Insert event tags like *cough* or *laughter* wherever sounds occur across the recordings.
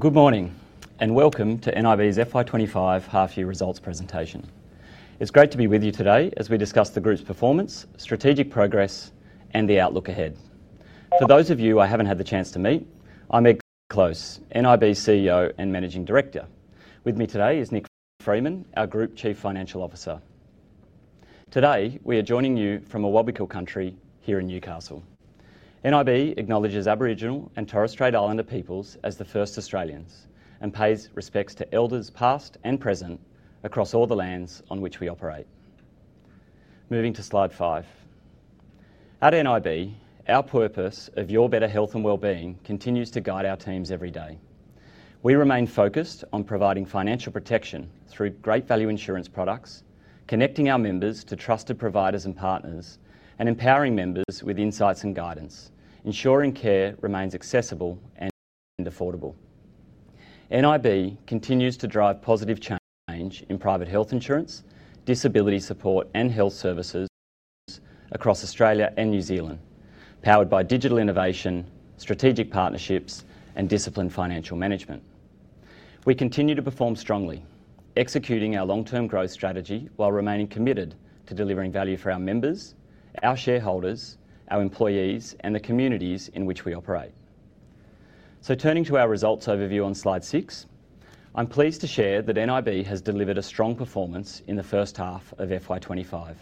Good morning and welcome to NIB's FY25 half-year results presentation. It's great to be with you today as we discuss the group's performance, strategic progress, and the outlook ahead. For those of you I haven't had the chance to meet, I'm Ed Close, NIB CEO and Managing Director. With me today is Nick Freeman, our Group Chief Financial Officer. Today we are joining you from Awabakal Country here in Newcastle. NIB acknowledges Aboriginal and Torres Strait Islander peoples as the first Australians and pays respects to elders past and present across all the lands on which we operate. Moving to slide five. At NIB, our purpose of your better health and well-being continues to guide our teams every day. We remain focused on providing financial protection through great value insurance products, connecting our members to trusted providers and partners, and empowering members with insights and guidance, ensuring care remains accessible and affordable. NIB continues to drive positive change in private health insurance, disability support, and health services across Australia and New Zealand, powered by digital innovation, strategic partnerships, and disciplined financial management. We continue to perform strongly, executing our long-term growth strategy while remaining committed to delivering value for our members, our shareholders, our employees, and the communities in which we operate. So, turning to our results overview on slide six, I'm pleased to share that NIB has delivered a strong performance in the first half of FY25,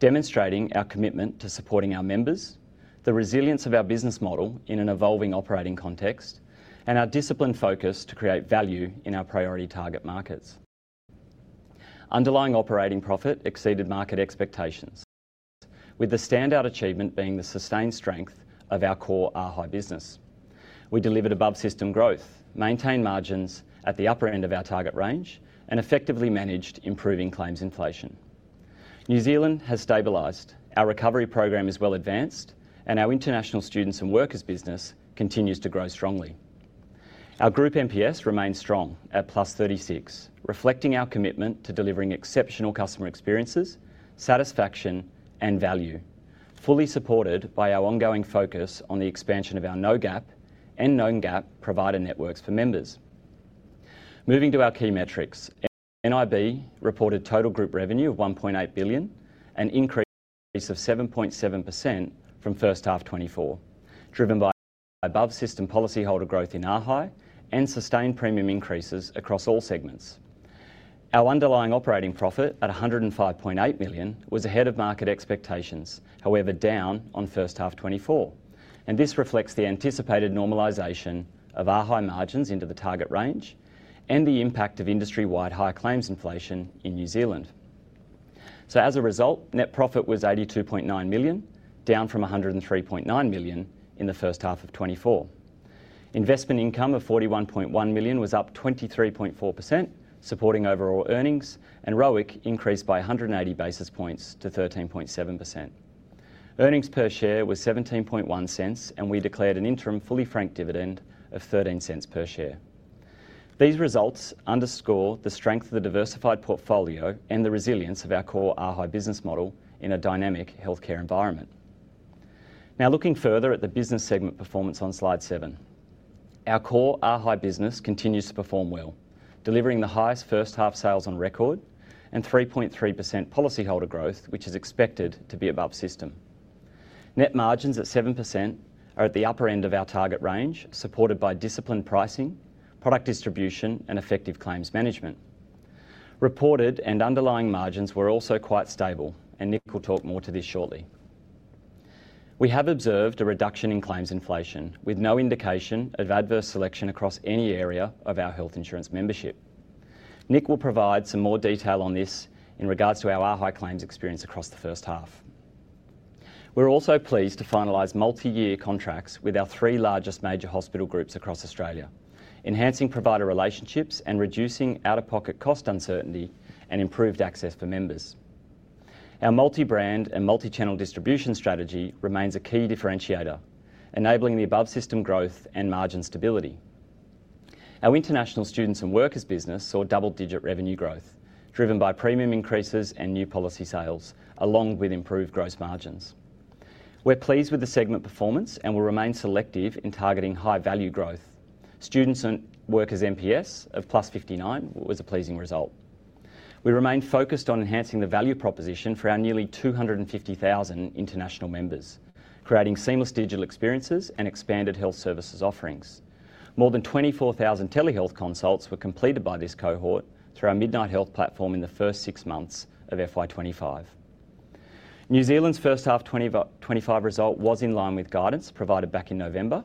demonstrating our commitment to supporting our members, the resilience of our business model in an evolving operating context, and our disciplined focus to create value in our priority target markets. Underlying operating profit exceeded market expectations, with the standout achievement being the sustained strength of our core AHI business. We delivered above system growth, maintained margins at the upper end of our target range, and effectively managed improving claims inflation. New Zealand has stabilized, our recovery program is well advanced, and our international students and workers business continues to grow strongly. Our Group MPS remains strong at +36, reflecting our commitment to delivering exceptional customer experiences, satisfaction, and value, fully supported by our ongoing focus on the expansion of our No Gap and Known Gap provider networks for members. Moving to our key metrics, NIB reported total group revenue of 1.8 billion, an increase of 7.7% from first half 2024, driven by above system policyholder growth in AHI and sustained premium increases across all segments. Our underlying operating profit at 105.8 million was ahead of market expectations, however down on first half 2024, and this reflects the anticipated normalisation of AHI margins into the target range and the impact of industry-wide high claims inflation in New Zealand. So, as a result, net profit was 82.9 million, down from 103.9 million in the first half of 2024. Investment income of 41.1 million was up 23.4%, supporting overall earnings, and ROIC increased by 180 basis points to 13.7%. Earnings per share was 0.171, and we declared an interim fully franked dividend of 0.13 per share. These results underscore the strength of the diversified portfolio and the resilience of our core AHI business model in a dynamic healthcare environment. Now, looking further at the business segment performance on slide seven, our core AHI business continues to perform well, delivering the highest first half sales on record and 3.3% policyholder growth, which is expected to be above system. Net margins at 7% are at the upper end of our target range, supported by disciplined pricing, product distribution, and effective claims management. Reported and underlying margins were also quite stable, and Nick will talk more to this shortly. We have observed a reduction in claims inflation with no indication of adverse selection across any area of our health insurance membership. Nick will provide some more detail on this in regards to our AHI claims experience across the first half. We're also pleased to finalize multi-year contracts with our three largest major hospital groups across Australia, enhancing provider relationships and reducing out-of-pocket cost uncertainty and improved access for members. Our multi-brand and multi-channel distribution strategy remains a key differentiator, enabling the above system growth and margin stability. Our international students and workers business saw double-digit revenue growth, driven by premium increases and new policy sales, along with improved gross margins. We're pleased with the segment performance and will remain selective in targeting high value growth. Students and workers MPS of +59 was a pleasing result. We remain focused on enhancing the value proposition for our nearly 250,000 international members, creating seamless digital experiences and expanded health services offerings. More than 24,000 telehealth consults were completed by this cohort through our Midnight Health platform in the first six months of FY25. New Zealand's first half 2025 result was in line with guidance provided back in November.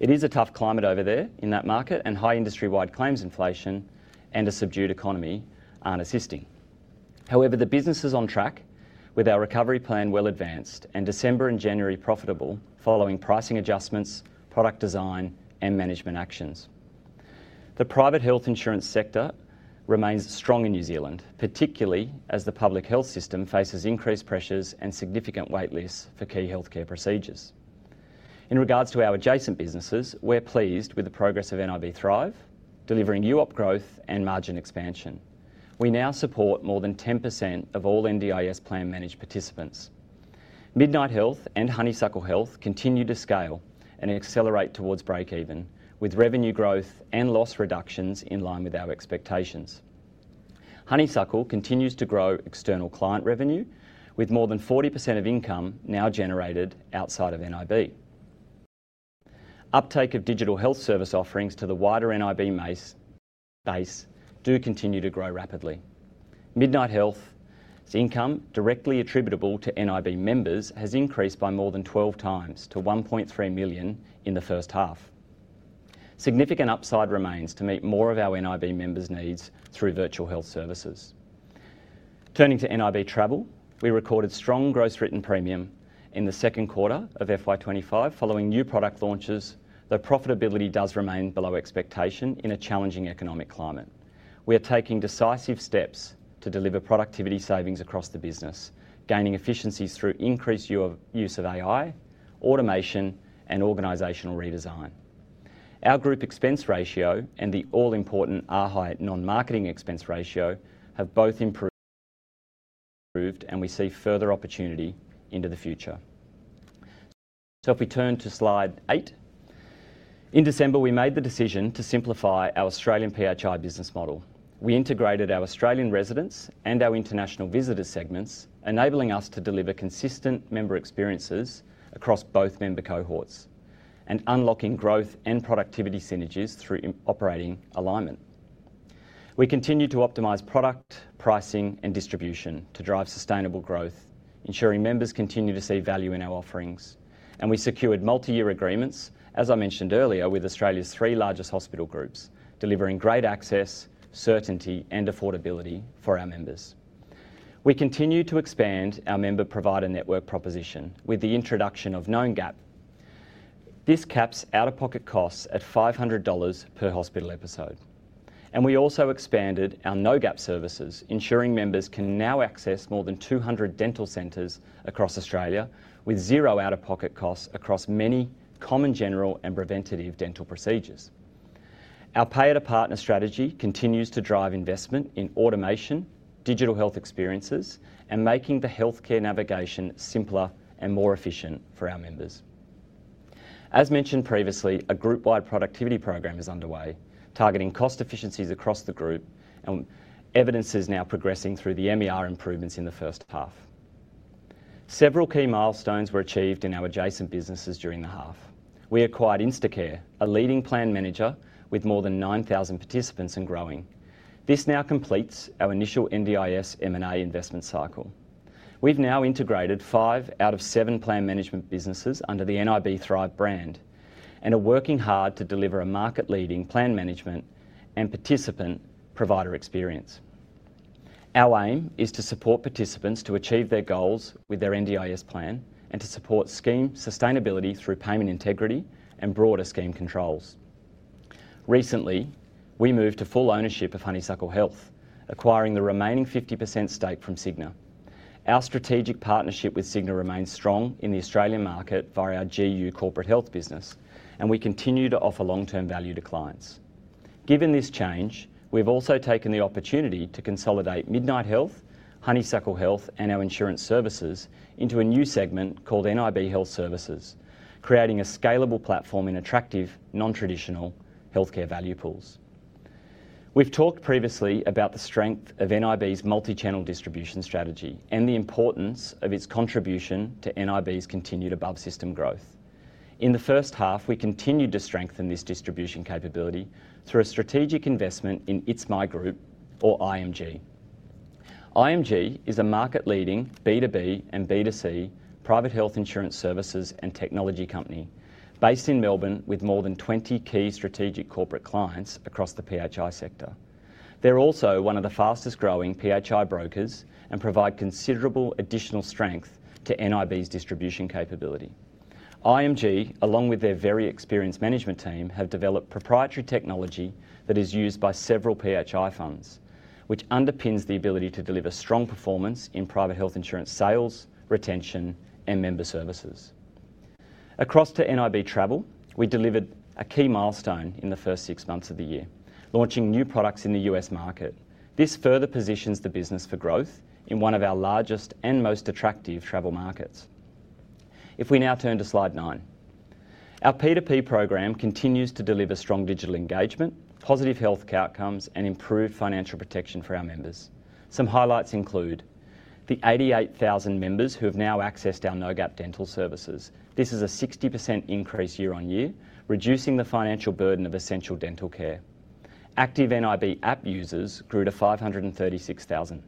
It is a tough climate over there in that market, and high industry-wide claims inflation and a subdued economy aren't assisting. However, the business is on track with our recovery plan well advanced and December and January profitable following pricing adjustments, product design, and management actions. The private health insurance sector remains strong in New Zealand, particularly as the public health system faces increased pressures and significant waitlists for key healthcare procedures. In regards to our adjacent businesses, we're pleased with the progress of NIB Thrive, delivering new up growth and margin expansion. We now support more than 10% of all NDIS plan managed participants. Midnight Health and Honeysuckle Health continue to scale and accelerate towards breakeven with revenue growth and loss reductions in line with our expectations. Honeysuckle continues to grow external client revenue with more than 40% of income now generated outside of NIB. Uptake of digital health service offerings to the wider NIB base do continue to grow rapidly. Midnight Health's income directly attributable to NIB members has increased by more than 12 times to 1.3 million in the first half. Significant upside remains to meet more of our NIB members' needs through virtual health services. Turning to NIB Travel, we recorded strong gross written premium in the second quarter of FY25 following new product launches, though profitability does remain below expectation in a challenging economic climate. We are taking decisive steps to deliver productivity savings across the business, gaining efficiencies through increased use of AI, automation, and organizational redesign. Our group expense ratio and the all-important AHI non-marketing expense ratio have both improved, and we see further opportunity into the future. So, if we turn to slide eight, in December we made the decision to simplify our Australian PHI business model. We integrated our Australian Residents and our International Visitors segments, enabling us to deliver consistent member experiences across both member cohorts and unlocking growth and productivity synergies through operating alignment. We continue to optimize product, pricing, and distribution to drive sustainable growth, ensuring members continue to see value in our offerings, and we secured multi-year agreements, as I mentioned earlier, with Australia's three largest hospital groups, delivering great access, certainty, and affordability for our members. We continue to expand our member provider network proposition with the introduction of No Gap. This caps out-of-pocket costs at 500 dollars per hospital episode, and we also expanded our No Gap services, ensuring members can now access more than 200 dental centers across Australia with zero out-of-pocket costs across many common general and preventive dental procedures. Our pay-at-a-partner strategy continues to drive investment in automation, digital health experiences, and making the healthcare navigation simpler and more efficient for our members. As mentioned previously, a group-wide productivity program is underway, targeting cost efficiencies across the group, and evidence is now progressing through the MER improvements in the first half. Several key milestones were achieved in our adjacent businesses during the half. We acquired InstaCare, a leading plan manager with more than 9,000 participants and growing. This now completes our initial NDIS M&A investment cycle. We've now integrated five out of seven plan management businesses under the NIB Thrive brand and are working hard to deliver a market-leading plan management and participant provider experience. Our aim is to support participants to achieve their goals with their NDIS plan and to support scheme sustainability through payment integrity and broader scheme controls. Recently, we moved to full ownership of Honeysuckle Health, acquiring the remaining 50% stake from Cigna. Our strategic partnership with Cigna remains strong in the Australian market via our GU Health corporate health business, and we continue to offer long-term value to clients. Given this change, we've also taken the opportunity to consolidate Midnight Health, Honeysuckle Health, and our insurance services into a new segment called NIB Health Services, creating a scalable platform in attractive, non-traditional healthcare value pools. We've talked previously about the strength of NIB's multi-channel distribution strategy and the importance of its contribution to NIB's continued above system growth. In the first half, we continued to strengthen this distribution capability through a strategic investment in It's My Group, or IMG. IMG is a market-leading B2B and B2C private health insurance services and technology company based in Melbourne with more than 20 key strategic corporate clients across the PHI sector. They're also one of the fastest growing PHI brokers and provide considerable additional strength to NIB's distribution capability. IMG, along with their very experienced management team, have developed proprietary technology that is used by several PHI funds, which underpins the ability to deliver strong performance in private health insurance sales, retention, and member services. Across to NIB Travel, we delivered a key milestone in the first six months of the year, launching new products in the U.S. market. This further positions the business for growth in one of our largest and most attractive travel markets. If we now turn to slide nine, our P2P program continues to deliver strong digital engagement, positive health outcomes, and improved financial protection for our members. Some highlights include the 88,000 members who have now accessed our No Gap dental services. This is a 60% increase year on year, reducing the financial burden of essential dental care. Active NIB app users grew to 536,000,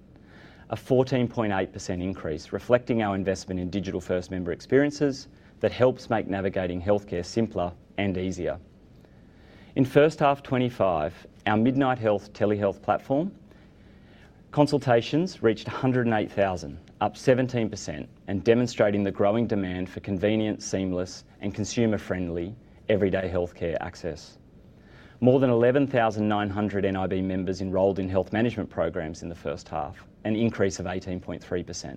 a 14.8% increase reflecting our investment in digital first member experiences that helps make navigating healthcare simpler and easier. In H1 2025, our Midnight Health telehealth platform consultations reached 108,000, up 17%, and demonstrating the growing demand for convenient, seamless, and consumer-friendly everyday healthcare access. More than 11,900 NIB members enrolled in health management programs in the first half, an increase of 18.3%.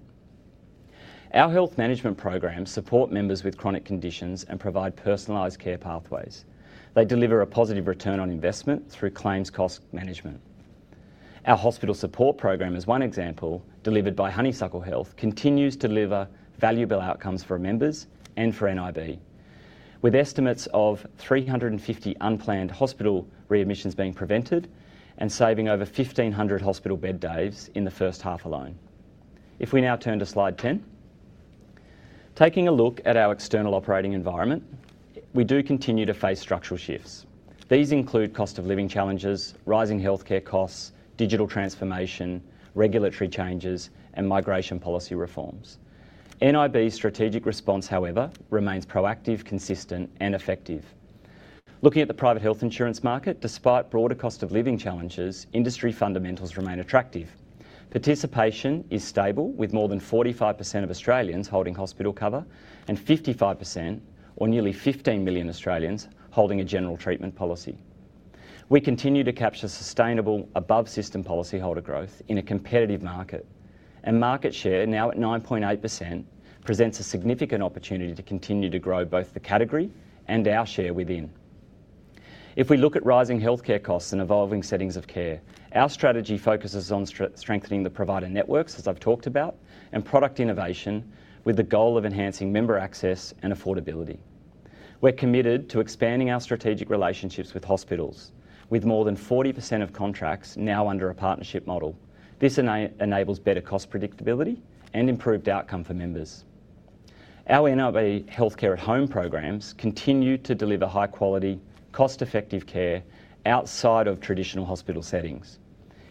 Our health management programs support members with chronic conditions and provide personalized care pathways. They deliver a positive return on investment through claims cost management. Our hospital support program is one example delivered by Honeysuckle Health continues to deliver valuable outcomes for members and for NIB, with estimates of 350 unplanned hospital readmissions being prevented and saving over 1,500 hospital bed days in the first half alone. If we now turn to slide 10, taking a look at our external operating environment, we do continue to face structural shifts. These include cost of living challenges, rising healthcare costs, digital transformation, regulatory changes, and migration policy reforms. NIB's strategic response, however, remains proactive, consistent, and effective. Looking at the private health insurance market, despite broader cost of living challenges, industry fundamentals remain attractive. Participation is stable, with more than 45% of Australians holding hospital cover and 55%, or nearly 15 million Australians, holding a general treatment policy. We continue to capture sustainable above system policy holder growth in a competitive market, and market share now at 9.8% presents a significant opportunity to continue to grow both the category and our share within. If we look at rising healthcare costs and evolving settings of care, our strategy focuses on strengthening the provider networks, as I've talked about, and product innovation with the goal of enhancing member access and affordability. We're committed to expanding our strategic relationships with hospitals, with more than 40% of contracts now under a partnership model. This enables better cost predictability and improved outcome for members. Our NIB healthcare at home programs continue to deliver high-quality, cost-effective care outside of traditional hospital settings,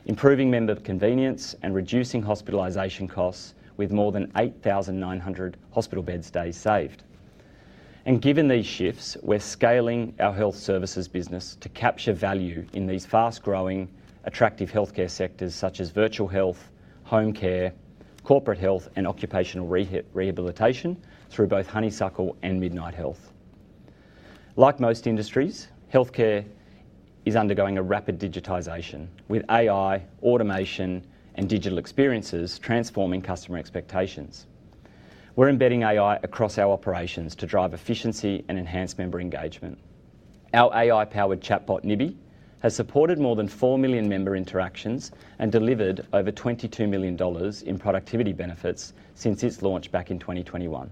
improving member convenience and reducing hospitalization costs with more than 8,900 hospital beds saved. Given these shifts, we're scaling our health services business to capture value in these fast-growing, attractive healthcare sectors such as virtual health, home care, corporate health, and occupational rehabilitation through both Honeysuckle Health and Midnight Health. Like most industries, healthcare is undergoing a rapid digitization, with AI, automation, and digital experiences transforming customer expectations. We're embedding AI across our operations to drive efficiency and enhance member engagement. Our AI-powered chatbot, Nivi, has supported more than four million member interactions and delivered over 22 million dollars in productivity benefits since its launch back in 2021.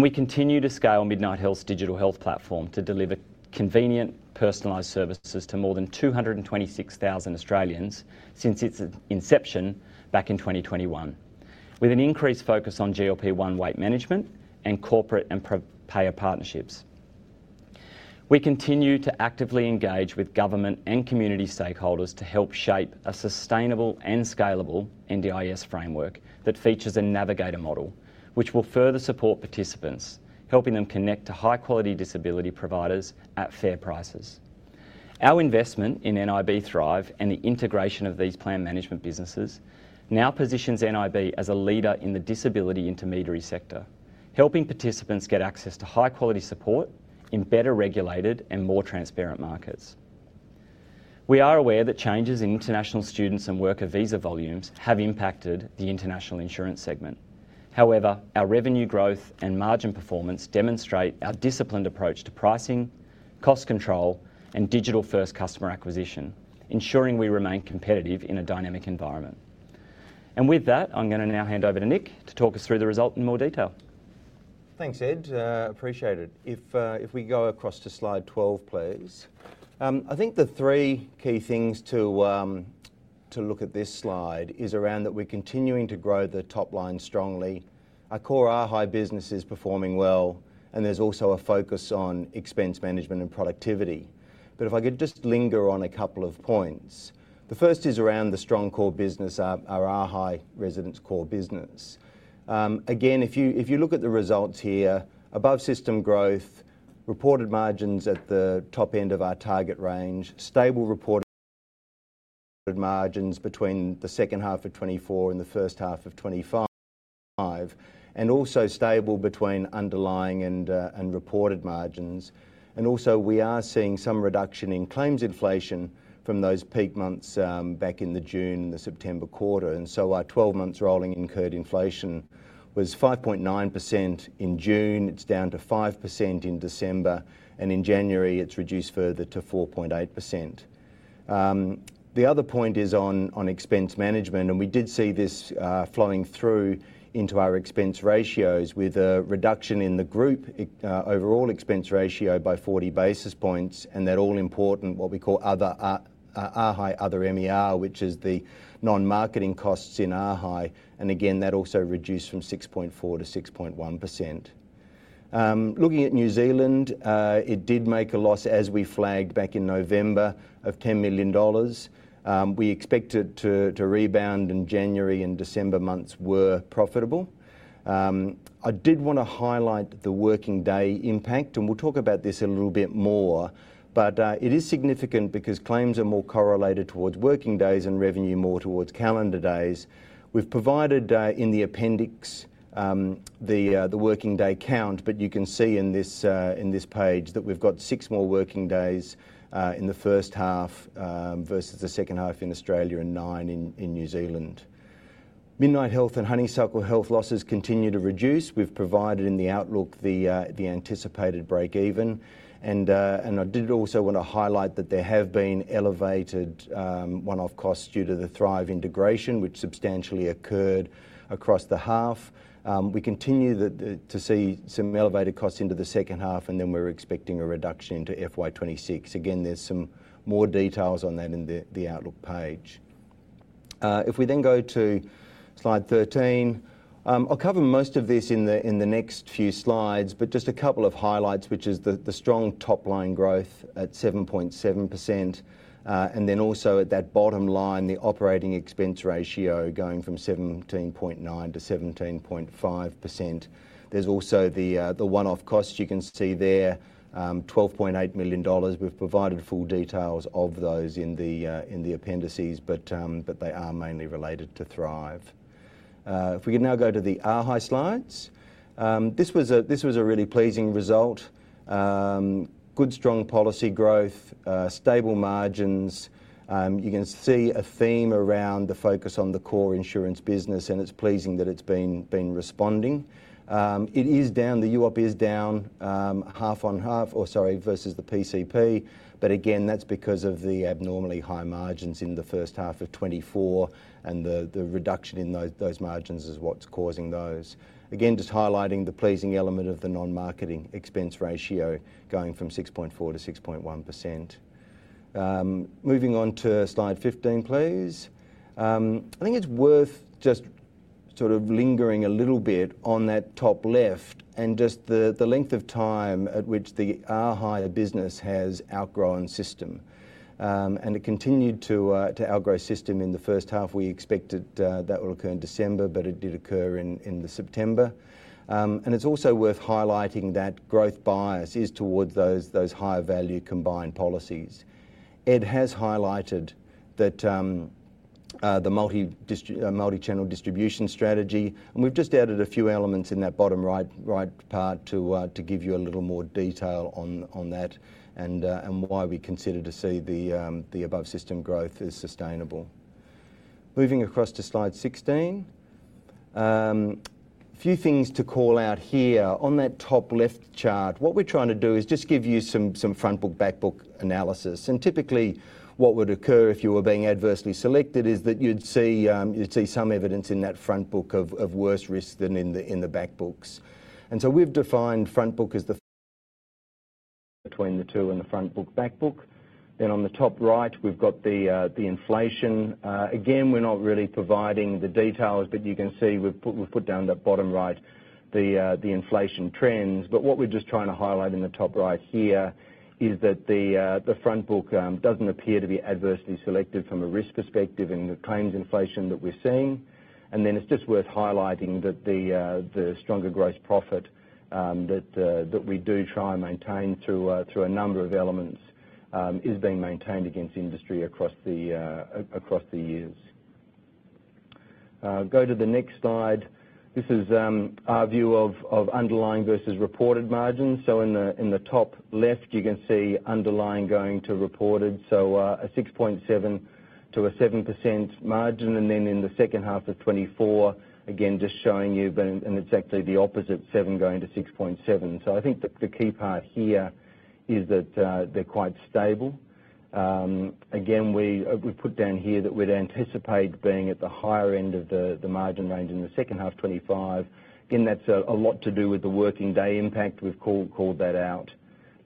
We continue to scale Midnight Health's digital health platform to deliver convenient, personalized services to more than 226,000 Australians since its inception back in 2021, with an increased focus on GLP-1 weight management and corporate and payer partnerships. We continue to actively engage with government and community stakeholders to help shape a sustainable and scalable NDIS framework that features a navigator model, which will further support participants, helping them connect to high-quality disability providers at fair prices. Our investment in NIB Thrive and the integration of these plan management businesses now positions NIB as a leader in the disability intermediary sector, helping participants get access to high-quality support in better regulated and more transparent markets. We are aware that changes in international students and worker visa volumes have impacted the international insurance segment. However, our revenue growth and margin performance demonstrate our disciplined approach to pricing, cost control, and digital-first customer acquisition, ensuring we remain competitive in a dynamic environment. And with that, I'm going to now hand over to Nick to talk us through the result in more detail. Thanks, Ed. Appreciate it. If we go across to slide 12, please. I think the three key things to look at this slide is around that we're continuing to grow the top line strongly. Our core AHI business is performing well, and there's also a focus on expense management and productivity. But if I could just linger on a couple of points. The first is around the strong core business, our AHI residents core business. Again, if you look at the results here, above system growth, reported margins at the top end of our target range, stable reported margins between the H2 2024 and the H1 2025, and also stable between underlying and reported margins. And also, we are seeing some reduction in claims inflation from those peak months back in the June and the September quarter. And so our 12-month rolling incurred inflation was 5.9% in June. It's down to 5% in December, and in January, it's reduced further to 4.8%. The other point is on expense management, and we did see this flowing through into our expense ratios with a reduction in the group overall expense ratio by 40 basis points, and that all-important, what we call AHI, other MER, which is the non-marketing costs in AHI, and again, that also reduced from 6.4% to 6.1%. Looking at New Zealand, it did make a loss as we flagged back in November of 10 million dollars. We expected to rebound in January, and December months were profitable. I did want to highlight the working day impact, and we'll talk about this a little bit more, but it is significant because claims are more correlated towards working days and revenue more towards calendar days. We've provided in the appendix the working day count, but you can see in this page that we've got six more working days in the first half versus the second half in Australia and nine in New Zealand. Midnight Health and Honeysuckle Health losses continue to reduce. We've provided in the outlook the anticipated breakeven. And I did also want to highlight that there have been elevated one-off costs due to the Thrive integration, which substantially occurred across the half. We continue to see some elevated costs into the second half, and then we're expecting a reduction into FY26. Again, there's some more details on that in the outlook page. If we then go to slide 13, I'll cover most of this in the next few slides, but just a couple of highlights, which is the strong top line growth at 7.7%, and then also at that bottom line, the operating expense ratio going from 17.9% to 17.5%. There's also the one-off costs you can see there, 12.8 million dollars. We've provided full details of those in the appendices, but they are mainly related to Thrive. If we can now go to the AHI slides, this was a really pleasing result. Good, strong policy growth, stable margins. You can see a theme around the focus on the core insurance business, and it's pleasing that it's been responding. It is down. The UOP is down half on half, or sorry, versus the PCP, but again, that's because of the abnormally high margins in the first half of 2024, and the reduction in those margins is what's causing those. Again, just highlighting the pleasing element of the non-marketing expense ratio going from 6.4% to 6.1%. Moving on to slide 15, please. I think it's worth just sort of lingering a little bit on that top left and just the length of time at which the AHI business has outgrown system. And it continued to outgrow system in the first half. We expected that will occur in December, but it did occur in September. And it's also worth highlighting that growth bias is towards those higher value combined policies. Ed has highlighted the multi-channel distribution strategy, and we've just added a few elements in that bottom right part to give you a little more detail on that and why we consider to see the above system growth as sustainable. Moving across to slide 16, a few things to call out here. On that top left chart, what we're trying to do is just give you some frontbook, backbook analysis. And typically, what would occur if you were being adversely selected is that you'd see some evidence in that frontbook of worse risk than in the backbooks. And so we've defined frontbook as the business between the two and the frontbook, backbook. Then on the top right, we've got the inflation. Again, we're not really providing the details, but you can see we've put in the bottom right, the inflation trends. But what we're just trying to highlight in the top right here is that the Frontbook doesn't appear to be adversely selected from a risk perspective and the claims inflation that we're seeing. And then it's just worth highlighting that the stronger gross profit that we do try and maintain through a number of elements is being maintained against industry across the years. Go to the next slide. This is our view of underlying versus reported margins. So in the top left, you can see underlying going to reported, so a 6.7%-7% margin. And then in the second half of 2024, again, just showing you, and it's actually the opposite, 7% going to 6.7%. So I think the key part here is that they're quite stable. Again, we put down here that we'd anticipate being at the higher end of the margin range in the second half 2025. Again, that's a lot to do with the working day impact. We've called that out.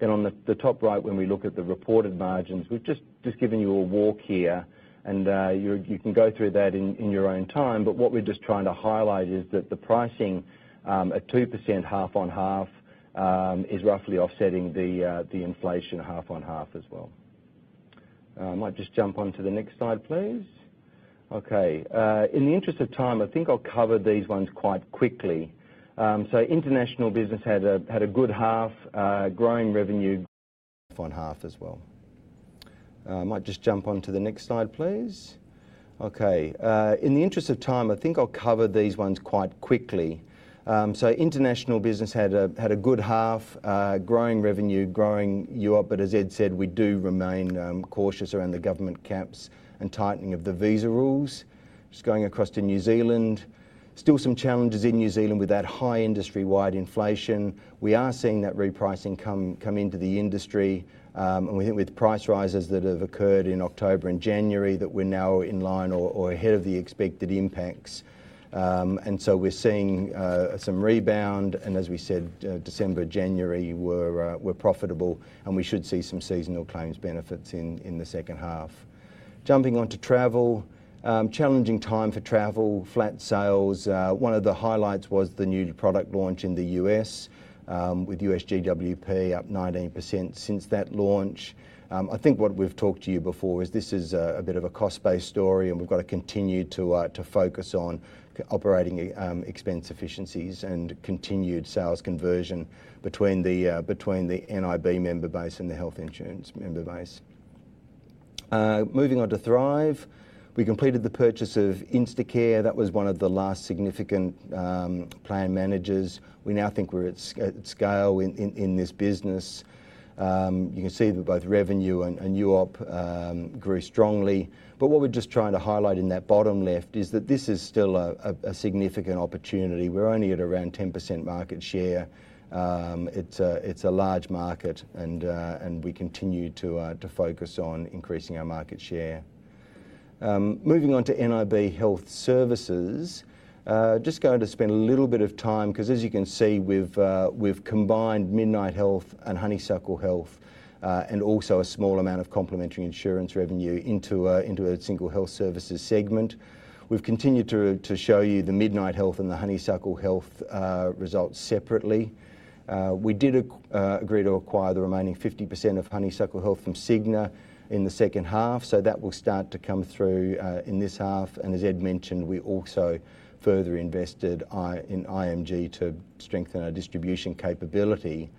Then on the top right, when we look at the reported margins, we've just given you a walk here, and you can go through that in your own time, but what we're just trying to highlight is that the pricing at 2% half on half is roughly offsetting the inflation half on half as well. Might just jump on to the next slide, please. Okay. In the interest of time, I think I'll cover these ones quite quickly, so international business had a good half, growing revenue, growing UOP, but as Ed said, we do remain cautious around the government caps and tightening of the visa rules. Just going across to New Zealand, still some challenges in New Zealand with that high industry-wide inflation. We are seeing that repricing come into the industry, and we think with price rises that have occurred in October and January that we're now in line or ahead of the expected impacts, and so we're seeing some rebound, and as we said, December, January were profitable, and we should see some seasonal claims benefits in the second half. Jumping on to travel, challenging time for travel, flat sales. One of the highlights was the new product launch in the U.S. with U.S. GWP up 19% since that launch. I think what we've talked to you before is this is a bit of a cost-based story, and we've got to continue to focus on operating expense efficiencies and continued sales conversion between the NIB member base and the health insurance member base. Moving on to Thrive, we completed the purchase of InstaCare. That was one of the last significant plan managers. We now think we're at scale in this business. You can see that both revenue and UOP grew strongly. But what we're just trying to highlight in that bottom left is that this is still a significant opportunity. We're only at around 10% market share. It's a large market, and we continue to focus on increasing our market share. Moving on to NIB Health Services, just going to spend a little bit of time because, as you can see, we've combined Midnight Health and Honeysuckle Health and also a small amount of complementary insurance revenue into a single health services segment. We've continued to show you the Midnight Health and the Honeysuckle Health results separately. We did agree to acquire the remaining 50% of Honeysuckle Health from Cigna in the second half, so that will start to come through in this half. And as Ed mentioned, we also further invested in IMG to strengthen our distribution capability.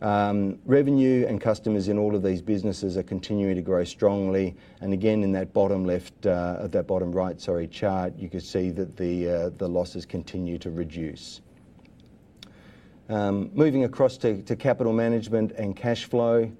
Revenue and customers in all of these businesses are continuing to grow strongly. And again, in that bottom left of that bottom right, sorry, chart, you can see that the losses continue to reduce. Moving across to capital management and cash flow.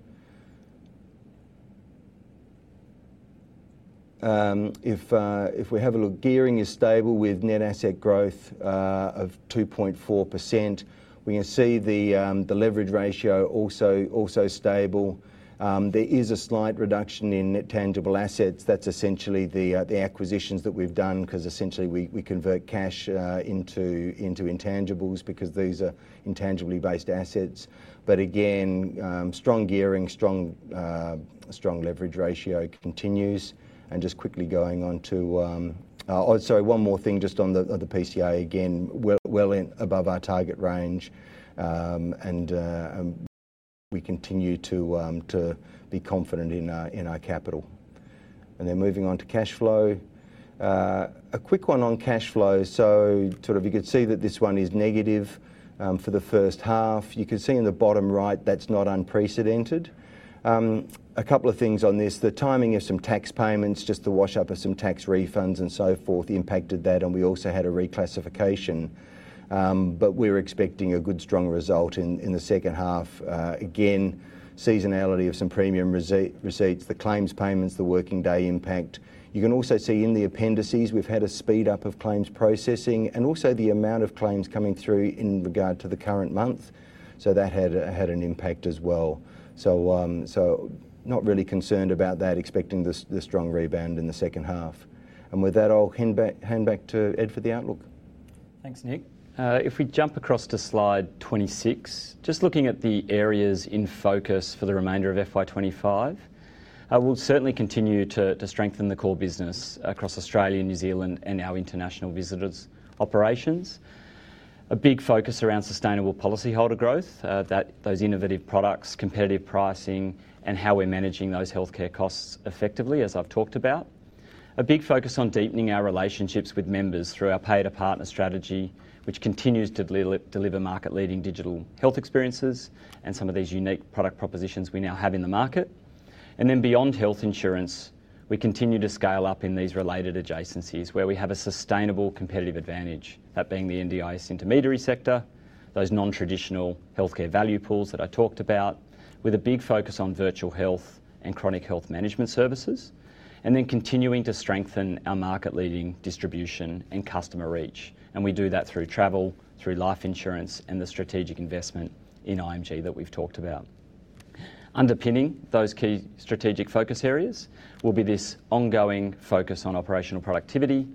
If we have a look, gearing is stable with net asset growth of 2.4%. We can see the leverage ratio also stable. There is a slight reduction in tangible assets. That's essentially the acquisitions that we've done because essentially we convert cash into intangibles because these are intangibly based assets. But again, strong gearing, strong leverage ratio continues. And just quickly going on to, sorry, one more thing just on the PCA again. Well above our target range, and we continue to be confident in our capital. And then moving on to cash flow. A quick one on cash flow. So sort of you could see that this one is negative for the first half. You can see in the bottom right that's not unprecedented. A couple of things on this. The timing of some tax payments, just the wash-up of some tax refunds and so forth impacted that, and we also had a reclassification. But we're expecting a good, strong result in the second half. Again, seasonality of some premium receipts, the claims payments, the working day impact. You can also see in the appendices we've had a speed up of claims processing and also the amount of claims coming through in regard to the current month. So that had an impact as well. So not really concerned about that, expecting the strong rebound in the second half. And with that, I'll hand back to Ed for the outlook. Thanks, Nick. If we jump across to slide 26, just looking at the areas in focus for the remainder of FY25, we'll certainly continue to strengthen the core business across Australia, New Zealand, and our international visitors operations. A big focus around sustainable policyholder growth, those innovative products, competitive pricing, and how we're managing those healthcare costs effectively, as I've talked about. A big focus on deepening our relationships with members through our Pay-to-Partner strategy, which continues to deliver market-leading digital health experiences and some of these unique product propositions we now have in the market. And then beyond health insurance, we continue to scale up in these related adjacencies where we have a sustainable competitive advantage, that being the NDIS intermediary sector, those non-traditional healthcare value pools that I talked about, with a big focus on virtual health and chronic health management services, and then continuing to strengthen our market-leading distribution and customer reach, and we do that through travel, through life insurance, and the strategic investment in IMG that we've talked about. Underpinning those key strategic focus areas will be this ongoing focus on operational productivity,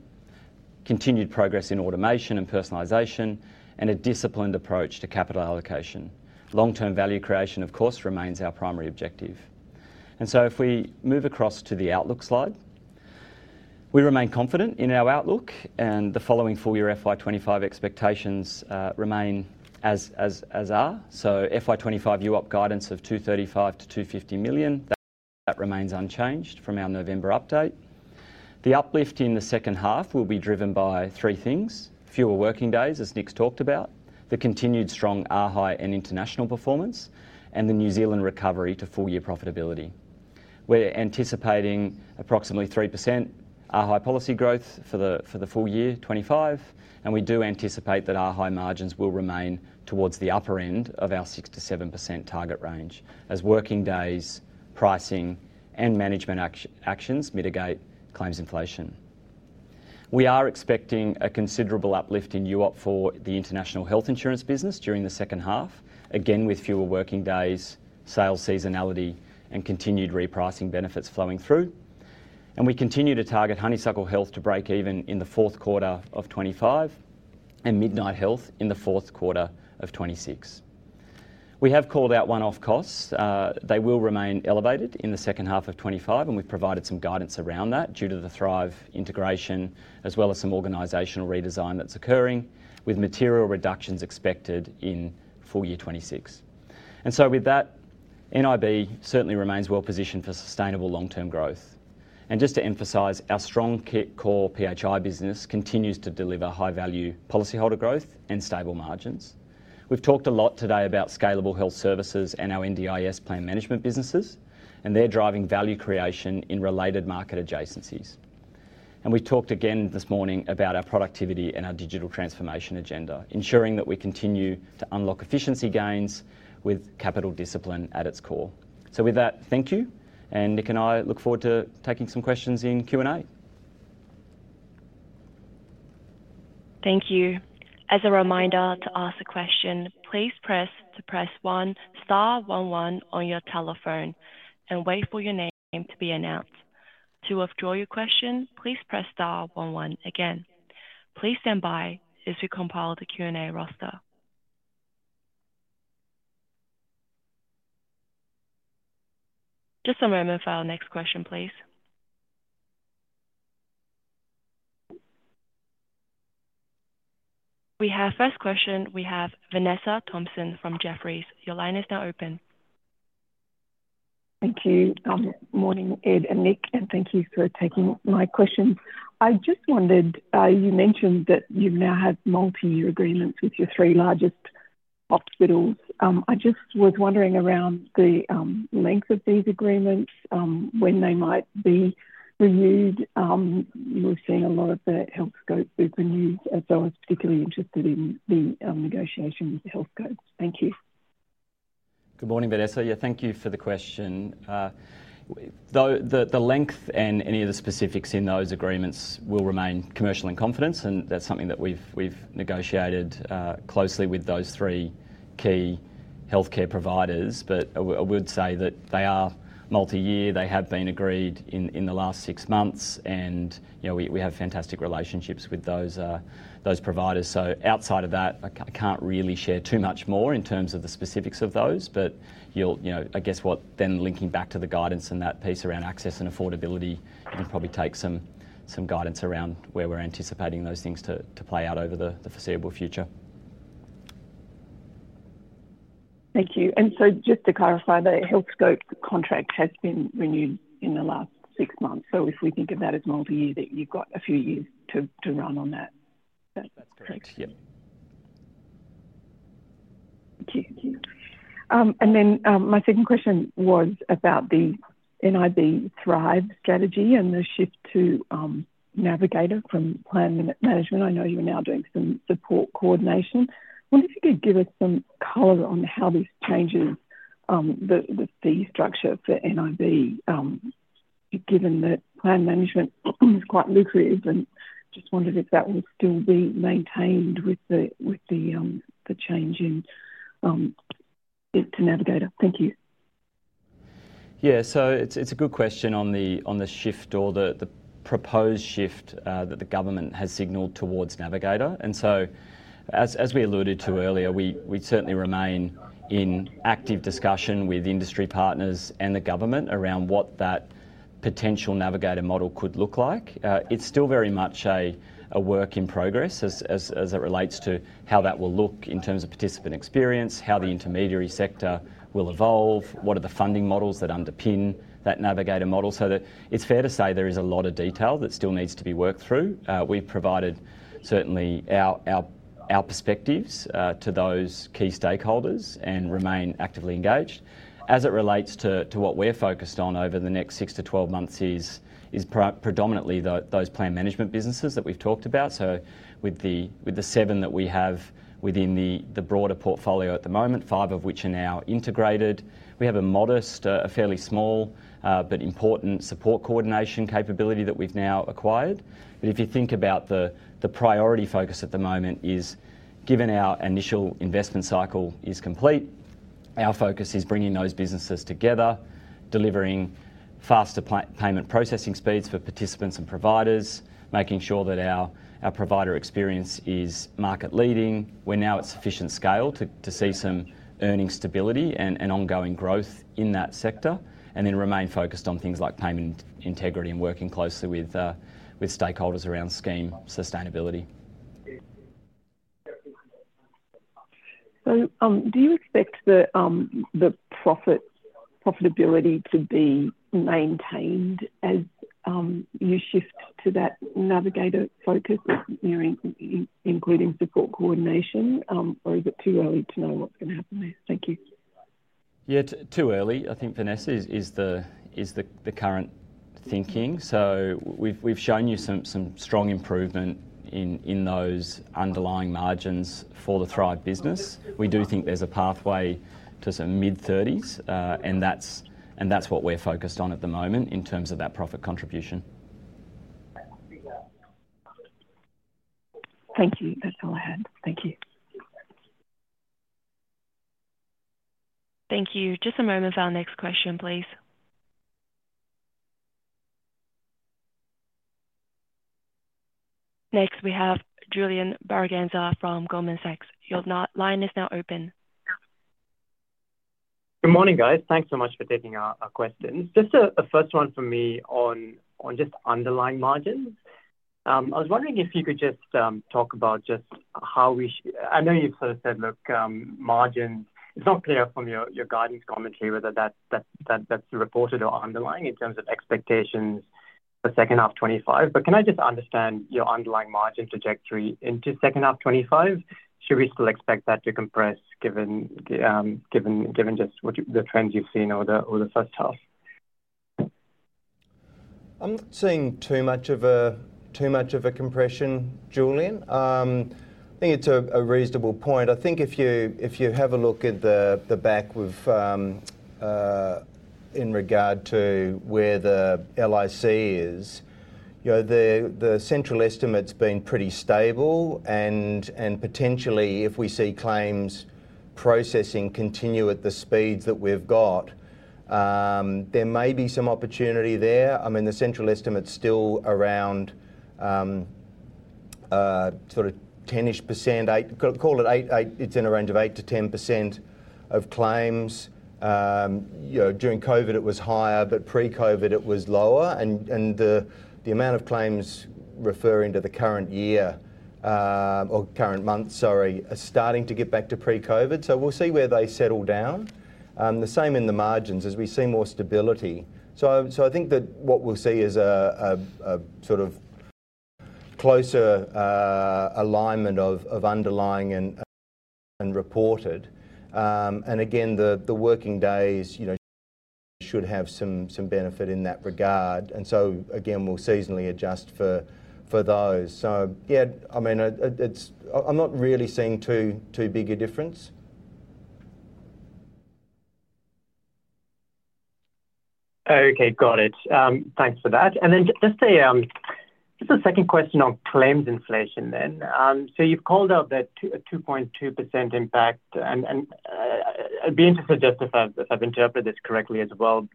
continued progress in automation and personalization, and a disciplined approach to capital allocation. Long-term value creation, of course, remains our primary objective, and so if we move across to the outlook slide, we remain confident in our outlook, and the following full-year FY25 expectations remain as are, so FY25 UOP guidance of 235 million-250 million, that remains unchanged from our November update. The uplift in the second half will be driven by three things: fewer working days, as Nick's talked about, the continued strong AHI and international performance, and the New Zealand recovery to full-year profitability. We're anticipating approximately 3% AHI policy growth for the full year 2025, and we do anticipate that AHI margins will remain towards the upper end of our 6%-7% target range as working days, pricing, and management actions mitigate claims inflation. We are expecting a considerable uplift in UOP for the international health insurance business during the second half, again with fewer working days, sales seasonality, and continued repricing benefits flowing through, and we continue to target Honeysuckle Health to break even in the fourth quarter of 2025 and Midnight Health in the fourth quarter of 2026. We have called out one-off costs. They will remain elevated in the second half of 2025, and we've provided some guidance around that due to the Thrive integration as well as some organizational redesign that's occurring with material reductions expected in full year 2026. And so with that, NIB certainly remains well-positioned for sustainable long-term growth. And just to emphasize, our strong core PHI business continues to deliver high-value policyholder growth and stable margins. We've talked a lot today about scalable health services and our NDIS plan management businesses and their driving value creation in related market adjacencies. And we've talked again this morning about our productivity and our digital transformation agenda, ensuring that we continue to unlock efficiency gains with capital discipline at its core. So with that, thank you. And Nick and I look forward to taking some questions in Q&A. Thank you. As a reminder to ask a question, please press 1, star 11 on your telephone, and wait for your name to be announced. To withdraw your question, please press star 11 again. Please stand by as we compile the Q&A roster. Just a moment for our next question, please. We have first question. We have Vanessa Thomson from Jefferies. Your line is now open. Thank you. Good morning, Ed and Nick, and thank you for taking my question. I just wondered, you mentioned that you've now had multi-year agreements with your three largest hospitals. I just was wondering around the length of these agreements, when they might be reviewed. We've seen a lot of the Healthscope opening news, as I was particularly interested in the negotiation with the Healthscope. Thank you. Good morning, Vanessa. Yeah, thank you for the question. The length and any of the specifics in those agreements will remain commercial in confidence, and that's something that we've negotiated closely with those three key healthcare providers. But I would say that they are multi-year. They have been agreed in the last six months, and we have fantastic relationships with those providers. So outside of that, I can't really share too much more in terms of the specifics of those. But I guess what then linking back to the guidance and that piece around access and affordability, it can probably take some guidance around where we're anticipating those things to play out over the foreseeable future. Thank you. And so just to clarify, the Healthscope contract has been renewed in the last six months. So if we think of that as multi-year, that you've got a few years to run on that. That's correct. Yep. Thank you. And then my second question was about the NIB Thrive strategy and the shift to Navigator from plan management. I know you're now doing some support coordination. I wonder if you could give us some color on how this changes the fee structure for NIB, given that plan management is quite lucrative, and just wondered if that will still be maintained with the change to Navigator? Thank you. Yeah, so it's a good question on the shift or the proposed shift that the government has signaled towards Navigator, and so as we alluded to earlier, we certainly remain in active discussion with industry partners and the government around what that potential Navigator model could look like. It's still very much a work in progress as it relates to how that will look in terms of participant experience, how the intermediary sector will evolve, what are the funding models that underpin that Navigator model, so it's fair to say there is a lot of detail that still needs to be worked through. We've provided certainly our perspectives to those key stakeholders and remain actively engaged. As it relates to what we're focused on over the next six to 12 months is predominantly those plan management businesses that we've talked about. So with the seven that we have within the broader portfolio at the moment, five of which are now integrated, we have a modest, a fairly small but important support coordination capability that we've now acquired. But if you think about the priority focus at the moment is given our initial investment cycle is complete, our focus is bringing those businesses together, delivering faster payment processing speeds for participants and providers, making sure that our provider experience is market-leading. We're now at sufficient scale to see some earning stability and ongoing growth in that sector, and then remain focused on things like payment integrity and working closely with stakeholders around scheme sustainability. So do you expect the profitability to be maintained as you shift to that Navigator focus, including support coordination, or is it too early to know what's going to happen there? Thank you. Yeah, too early, I think, Vanessa, is the current thinking. So we've shown you some strong improvement in those underlying margins for the Thrive business. We do think there's a pathway to some mid-30s, and that's what we're focused on at the moment in terms of that profit contribution. Thank you. That's all I had. Thank you. Thank you. Just a moment for our next question, please. Next, we have Julian Braganza from Goldman Sachs. Line is now open. Good morning, guys. Thanks so much for taking our questions. Just a first one for me on just underlying margins. I was wondering if you could just talk about how I know you've sort of said, "Look, margins," it's not clear from your guidance commentary whether that's reported or underlying in terms of expectations for second half 2025. But can I just understand your underlying margin trajectory into second half 2025? Should we still expect that to compress given just the trends you've seen over the first half? I'm not seeing too much of a compression, Julian. I think it's a reasonable point. I think if you have a look at the back in regard to where the LIC is, the central estimate's been pretty stable, and potentially, if we see claims processing continue at the speeds that we've got, there may be some opportunity there. I mean, the central estimate's still around sort of 10-ish %. It's in a range of 8%-10% of claims. During COVID, it was higher, but pre-COVID, it was lower. The amount of claims referring to the current year or current month, sorry, are starting to get back to pre-COVID. So we'll see where they settle down. The same in the margins as we see more stability. So I think that what we'll see is a sort of closer alignment of underlying and reported. And again, the working days should have some benefit in that regard. And so again, we'll seasonally adjust for those. So yeah, I mean, I'm not really seeing too big a difference. Okay. Got it. Thanks for that. And then just a second question on claims inflation then. So you've called out that 2.2% impact. And I'd be interested, just if I've interpreted this correctly as well.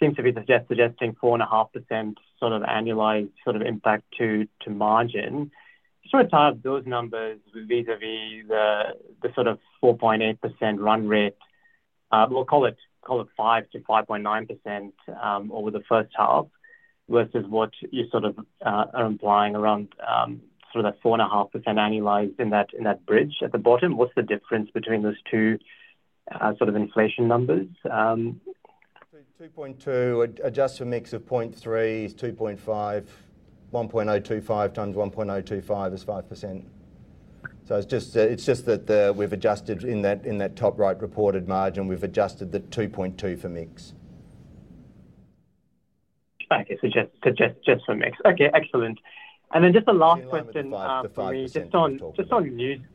Seems to be suggesting 4.5% sort of annualized sort of impact to margin. Just want to tie up those numbers vis-à-vis the sort of 4.8% run rate. We'll call it 5%-5.9% over the first half versus what you sort of are implying around sort of that 4.5% annualized in that bridge at the bottom. What's the difference between those two sort of inflation numbers? 2.2% adjusts to a mix of 0.3%, 2.5%. 1.025 times 1.025 is 5%. So it's just that we've adjusted in that top right reported margin. We've adjusted the 2.2% for mix. Okay. So just for mix. Okay. Excellent. And then just the last question for me, just on. *crosstalk*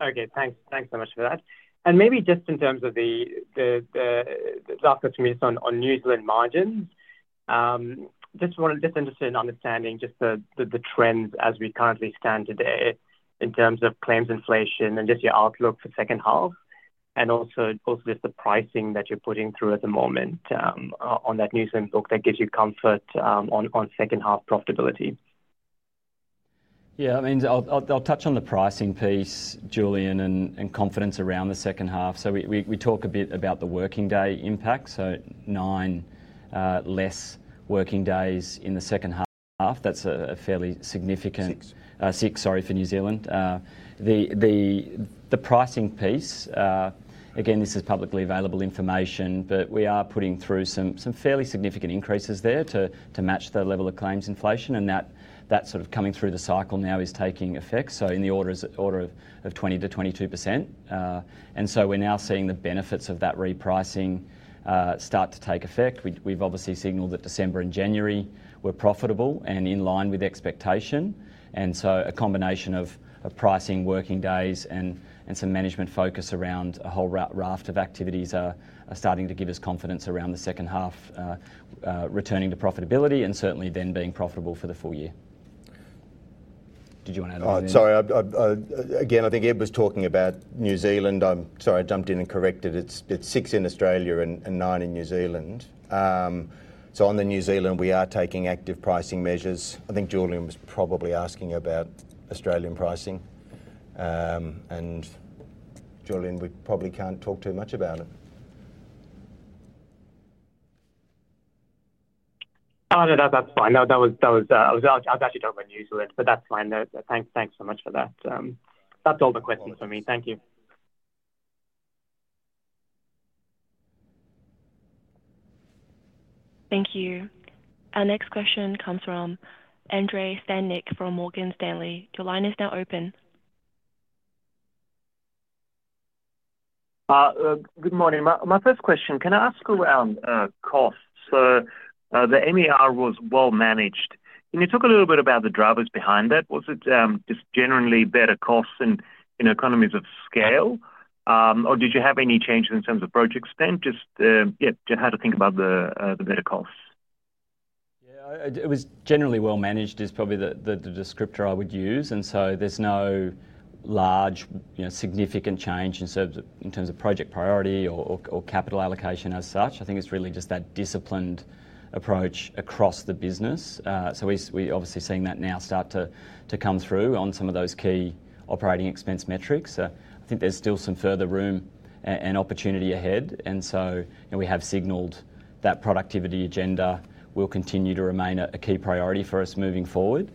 Okay. Thanks so much for that. Maybe just in terms of the last question for me just on New Zealand margins, just understanding just the trends as we currently stand today in terms of claims inflation and just your outlook for second half, and also just the pricing that you're putting through at the moment on that new and book that gives you comfort on second half profitability. Yeah. I mean, I'll touch on the pricing piece, Julian, and confidence around the second half. So we talk a bit about the working day impact. So nine less working days in the second half. That's a fairly significant six, sorry, for New Zealand. The pricing piece, again, this is publicly available information, but we are putting through some fairly significant increases there to match the level of claims inflation, and that sort of coming through the cycle now is taking effect. So, in the order of 20%-22%. And so, we're now seeing the benefits of that repricing start to take effect. We've obviously signaled that December and January were profitable and in line with expectation. And so, a combination of pricing, working days, and some management focus around a whole raft of activities are starting to give us confidence around the second half returning to profitability and certainly then being profitable for the full year. Did you want to add on? Sorry. Again, I think Ed was talking about New Zealand. I'm sorry, I jumped in and corrected. It's six in Australia and nine in New Zealand. So, on New Zealand, we are taking active pricing measures. I think Julian was probably asking about Australian pricing. And Julian, we probably can't talk too much about it. No, no, that's fine. I was actually talking about New Zealand, but that's fine. Thanks so much for that. That's all the questions for me. Thank you. Thank you. Our next question comes from Andrei Stadnik from Morgan Stanley. Your line is now open. Good morning. My first question, can I ask around costs? So the MER was well managed. Can you talk a little bit about the drivers behind that? Was it just generally better costs and economies of scale, or did you have any changes in terms of project spend? Just how to think about the better costs. Yeah. It was generally well managed is probably the descriptor I would use. And so there's no large, significant change in terms of project priority or capital allocation as such. I think it's really just that disciplined approach across the business. We're obviously seeing that now start to come through on some of those key operating expense metrics. I think there's still some further room and opportunity ahead. And so we have signaled that productivity agenda will continue to remain a key priority for us moving forward.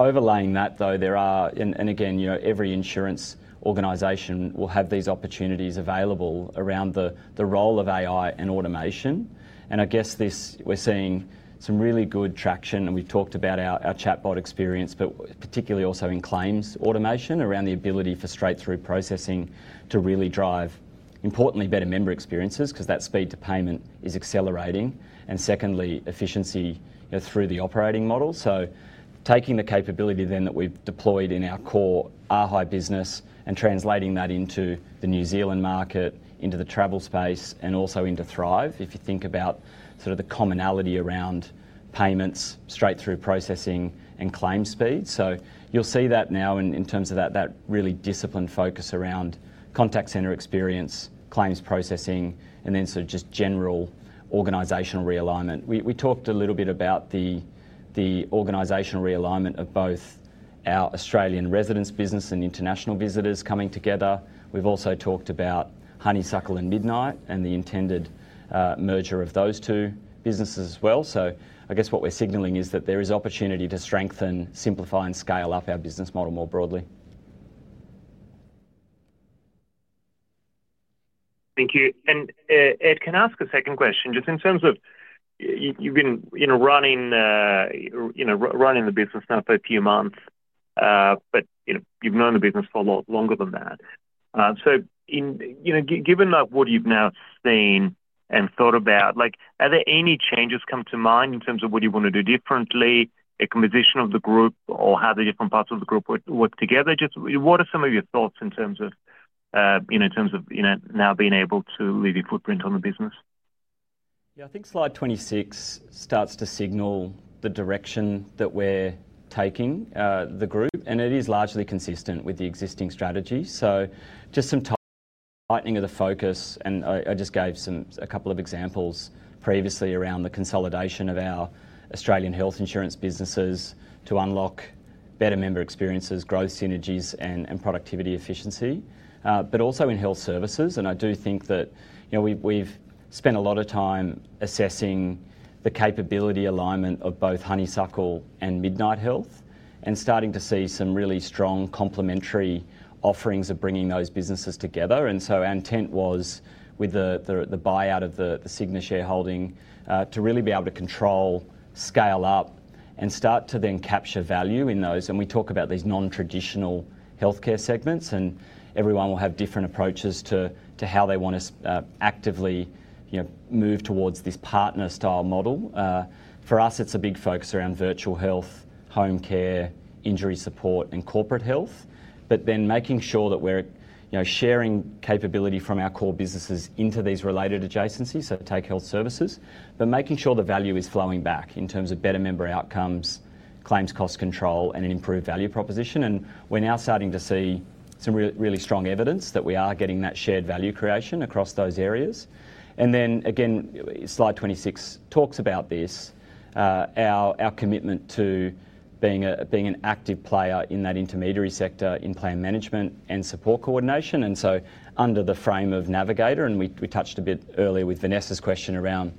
Overlaying that, though, there are, and again, every insurance organization will have these opportunities available around the role of AI and automation. And I guess we're seeing some really good traction. We've talked about our chatbot experience, but particularly also in claims automation around the ability for straight-through processing to really drive, importantly, better member experiences because that speed to payment is accelerating. And secondly, efficiency through the operating model. So taking the capability then that we've deployed in our core AHI business and translating that into the New Zealand market, into the travel space, and also into Thrive, if you think about sort of the commonality around payments, straight-through processing, and claim speeds. So you'll see that now in terms of that really disciplined focus around contact center experience, claims processing, and then sort of just general organizational realignment. We talked a little bit about the organizational realignment of both our Australian residents business and international visitors coming together. We've also talked about Honeysuckle and Midnight and the intended merger of those two businesses as well. So I guess what we're signaling is that there is opportunity to strengthen, simplify, and scale up our business model more broadly. Thank you. And Ed, can I ask a second question? Just in terms of you've been running the business now for a few months, but you've known the business for a lot longer than that. So given what you've now seen and thought about, are there any changes come to mind in terms of what you want to do differently, acquisition of the group, or how the different parts of the group work together? Just what are some of your thoughts in terms of now being able to leave your footprint on the business? Yeah. I think slide 26 starts to signal the direction that we're taking, the group. And it is largely consistent with the existing strategy. So just some tightening of the focus, and I just gave a couple of examples previously around the consolidation of our Australian health insurance businesses to unlock better member experiences, growth synergies, and productivity efficiency, but also in health services. And I do think that we've spent a lot of time assessing the capability alignment of both Honeysuckle and Midnight Health and starting to see some really strong complementary offerings of bringing those businesses together. And so our intent was, with the buyout of the Cigna shareholding, to really be able to control, scale up, and start to then capture value in those. We talk about these non-traditional healthcare segments, and everyone will have different approaches to how they want to actively move towards this partner-style model. For us, it's a big focus around virtual health, home care, injury support, and corporate health, but then making sure that we're sharing capability from our core businesses into these related adjacencies, so take health services, but making sure the value is flowing back in terms of better member outcomes, claims cost control, and an improved value proposition. And we're now starting to see some really strong evidence that we are getting that shared value creation across those areas. And then again, slide 26 talks about this, our commitment to being an active player in that intermediary sector in plan management and support coordination. And so, under the frame of Navigator, and we touched a bit earlier with Vanessa's question around,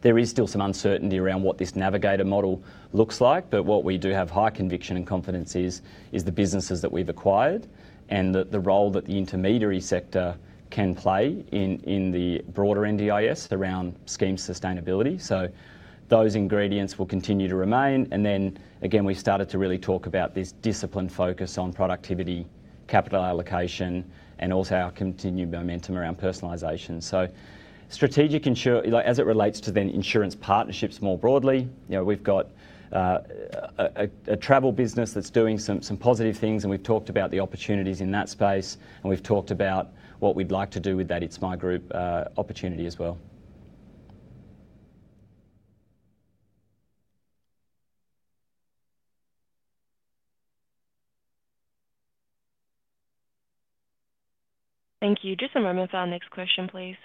there is still some uncertainty around what this Navigator model looks like, but what we do have high conviction and confidence is the businesses that we've acquired and the role that the intermediary sector can play in the broader NDIS around scheme sustainability. So those ingredients will continue to remain. And then again, we started to really talk about this disciplined focus on productivity, capital allocation, and also our continued momentum around personalization. So strategic insurance, as it relates to then insurance partnerships more broadly, we've got a travel business that's doing some positive things. And we've talked about the opportunities in that space. And we've talked about what we'd like to do with that It's My Group opportunity as well. Thank you. Just a moment for our next question, please.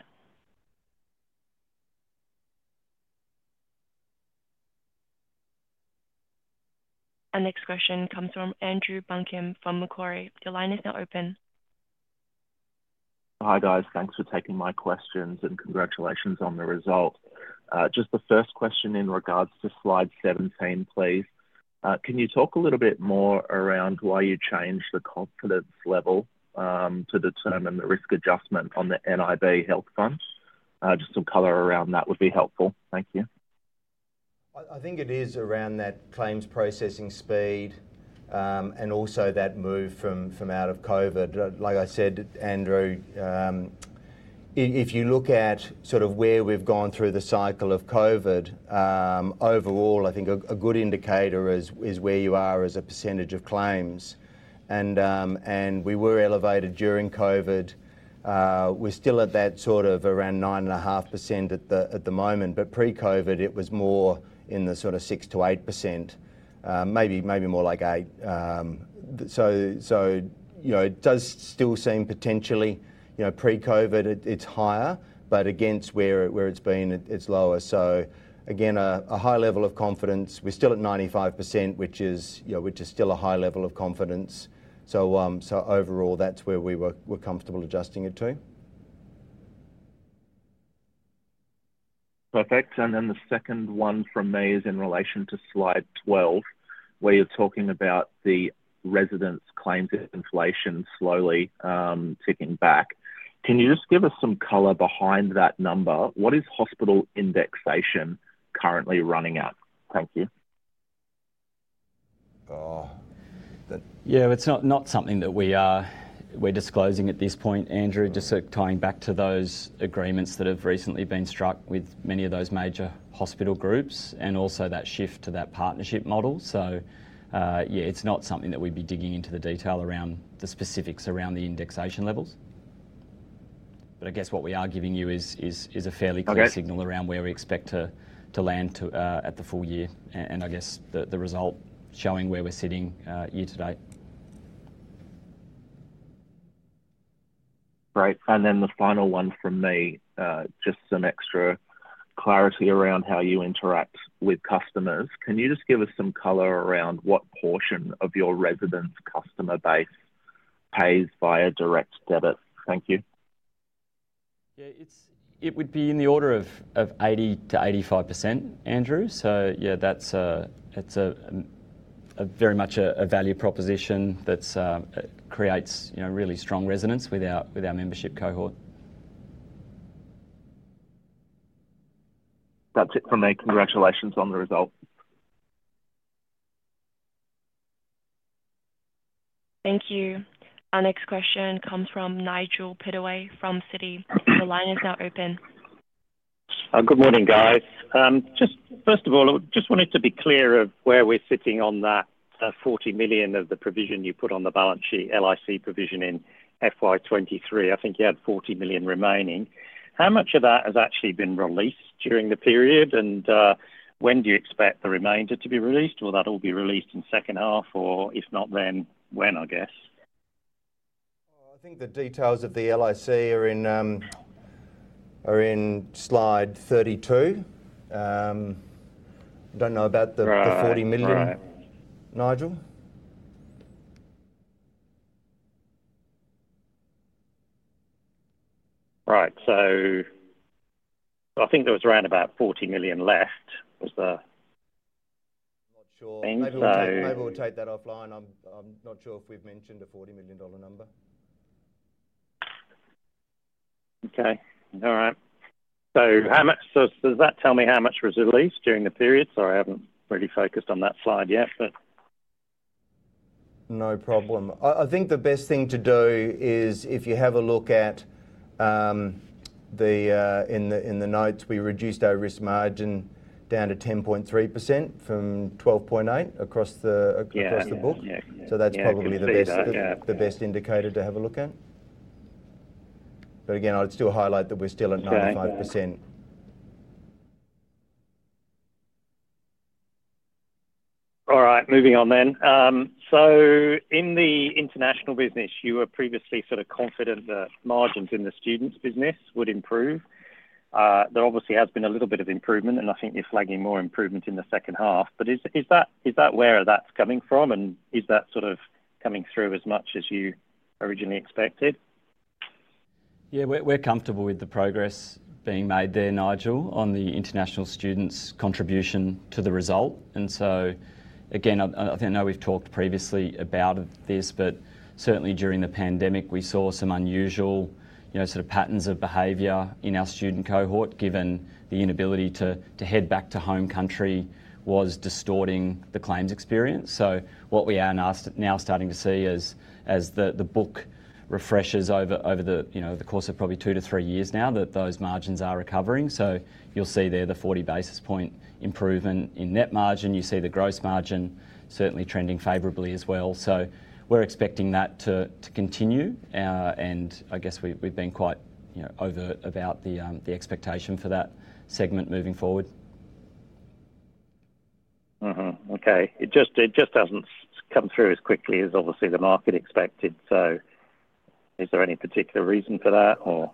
Our next question comes from Andrew Buncombe from Macquarie. Your line is now open. Hi guys. Thanks for taking my questions and congratulations on the result. Just the first question in regards to slide 17, please. Can you talk a little bit more around why you changed the confidence level to determine the risk adjustment on the NIB Health Fund? Just some color around that would be helpful. Thank you. I think it is around that claims processing speed and also that move from out of COVID. Like I said, Andrew, if you look at sort of where we've gone through the cycle of COVID, overall, I think a good indicator is where you are as a percentage of claims. And we were elevated during COVID. We're still at that sort of around 9.5% at the moment, but pre-COVID, it was more in the sort of 6%-8%, maybe more like 8%. So it does still seem potentially pre-COVID, it's higher, but against where it's been, it's lower. So again, a high level of confidence. We're still at 95%, which is still a high level of confidence. So overall, that's where we were comfortable adjusting it to. Perfect. And then the second one from me is in relation to slide 12, where you're talking about the residents' claims inflation slowly ticking back. Can you just give us some color behind that number? What is hospital indexation currently running at? Thank you. Yeah. It's not something that we're disclosing at this point, Andrew, just tying back to those agreements that have recently been struck with many of those major hospital groups and also that shift to that partnership model. So yeah, it's not something that we'd be digging into the detail around the specifics around the indexation levels. But I guess what we are giving you is a fairly clear signal around where we expect to land at the full year and I guess the result showing where we're sitting year to date. Great. And then the final one from me, just some extra clarity around how you interact with customers. Can you just give us some color around what portion of your residents' customer base pays via direct debit? Thank you. Yeah. It would be in the order of 80%-85%, Andrew. So yeah, that's very much a value proposition that creates really strong resonance with our membership cohort. That's it from me. Congratulations on the result. Thank you. Our next question comes from Nigel Pittaway from Citi. The line is now open. Good morning, guys. Just first of all, I just wanted to be clear of where we're sitting on that 40 million of the provision you put on the balance sheet, LIC provision in FY23. I think you had 40 million remaining. How much of that has actually been released during the period? And when do you expect the remainder to be released? Will that all be released in second half? Or if not, then when, I guess? I think the details of the LIC are in slide 32. I don't know about the 40 million. Nigel? Right. So I think there was around about 40 million left. I'm not sure. Maybe we'll take that offline. I'm not sure if we've mentioned a 40 million dollar number. Okay. All right. So does that tell me how much was released during the period? Sorry, I haven't really focused on that slide yet, but. No problem. I think the best thing to do is if you have a look at the notes, we reduced our risk margin down to 10.3% from 12.8% across the book. So that's probably the best indicator to have a look at. But again, I'd still highlight that we're still at 95%. All right. Moving on then. So in the international business, you were previously sort of confident that margins in the students' business would improve. There obviously has been a little bit of improvement, and I think you're flagging more improvement in the second half. But is that where that's coming from? And is that sort of coming through as much as you originally expected? Yeah. We're comfortable with the progress being made there, Nigel, on the international students' contribution to the result, and so again, I think I know we've talked previously about this, but certainly during the pandemic, we saw some unusual sort of patterns of behavior in our student cohort given the inability to head back to home country was distorting the claims experience. So what we are now starting to see as the book refreshes over the course of probably two to three years now that those margins are recovering. So you'll see there the 40 basis points improvement in net margin. You see the gross margin certainly trending favorably as well. So we're expecting that to continue, and I guess we've been quite overt about the expectation for that segment moving forward. Okay. It just doesn't come through as quickly as obviously the market expected. So is there any particular reason for that, or?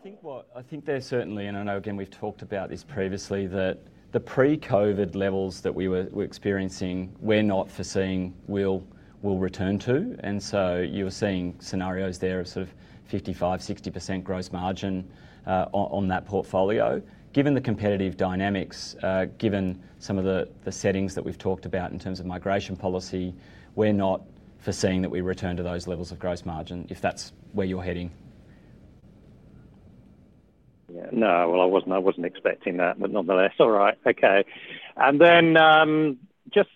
I think there certainly, and I know, again, we've talked about this previously, that the pre-COVID levels that we were experiencing were not foreseen will return to. And so you were seeing scenarios there of sort of 55%-60% gross margin on that portfolio. Given the competitive dynamics, given some of the settings that we've talked about in terms of migration policy, we're not foreseeing that we return to those levels of gross margin if that's where you're heading. Yeah. No. Well, I wasn't expecting that, but nonetheless. All right. Okay. And then just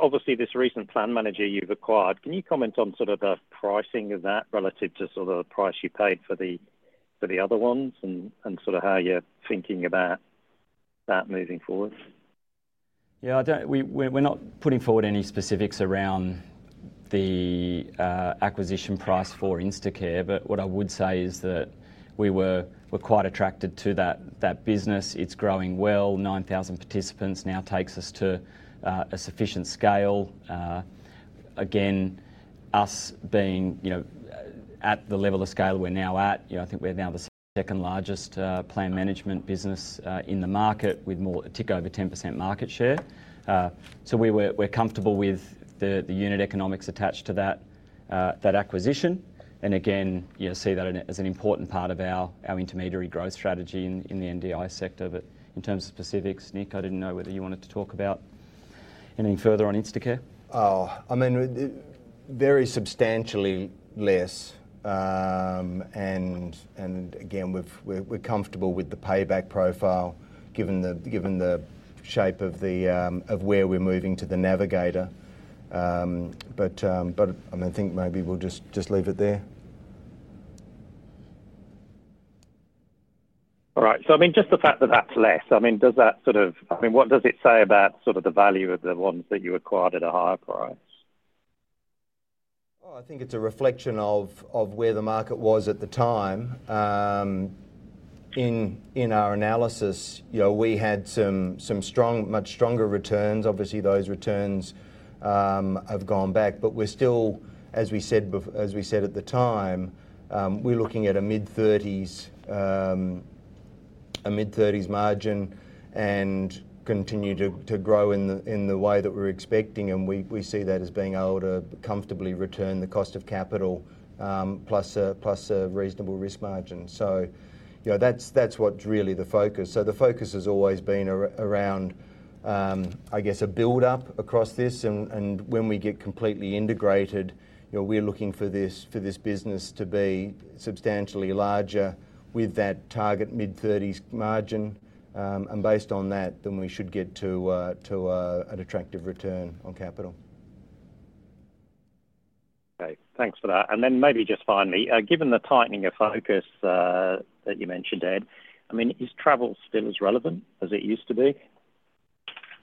obviously this recent plan manager you've acquired, can you comment on sort of the pricing of that relative to sort of the price you paid for the other ones and sort of how you're thinking about that moving forward? Yeah. We're not putting forward any specifics around the acquisition price for InstaCare, but what I would say is that we were quite attracted to that business. It's growing well. 9,000 participants now takes us to a sufficient scale. Again, us being at the level of scale we're now at, I think we're now the second largest plan management business in the market with a tick over 10% market share. So we're comfortable with the unit economics attached to that acquisition. And again, see that as an important part of our intermediary growth strategy in the NDIS sector. But in terms of specifics, Nick, I didn't know whether you wanted to talk about anything further on InstaCare? I mean, very substantially less. And again, we're comfortable with the payback profile given the shape of where we're moving to the Navigator. But I think maybe we'll just leave it there. All right. So I mean, just the fact that that's less. I mean, does that sort of—I mean, what does it say about sort of the value of the ones that you acquired at a higher price? Well, I think it's a reflection of where the market was at the time. In our analysis, we had some much stronger returns. Obviously, those returns have gone back. But we're still, as we said at the time, we're looking at a mid-30s margin and continue to grow in the way that we're expecting. And we see that as being able to comfortably return the cost of capital plus a reasonable risk margin. So that's what's really the focus. So the focus has always been around, I guess, a build-up across this. And when we get completely integrated, we're looking for this business to be substantially larger with that target mid-30s margin. Based on that, then we should get to an attractive return on capital. Okay. Thanks for that. Then maybe just finally, given the tightening of focus that you mentioned, Ed, I mean, is Travel still as relevant as it used to be?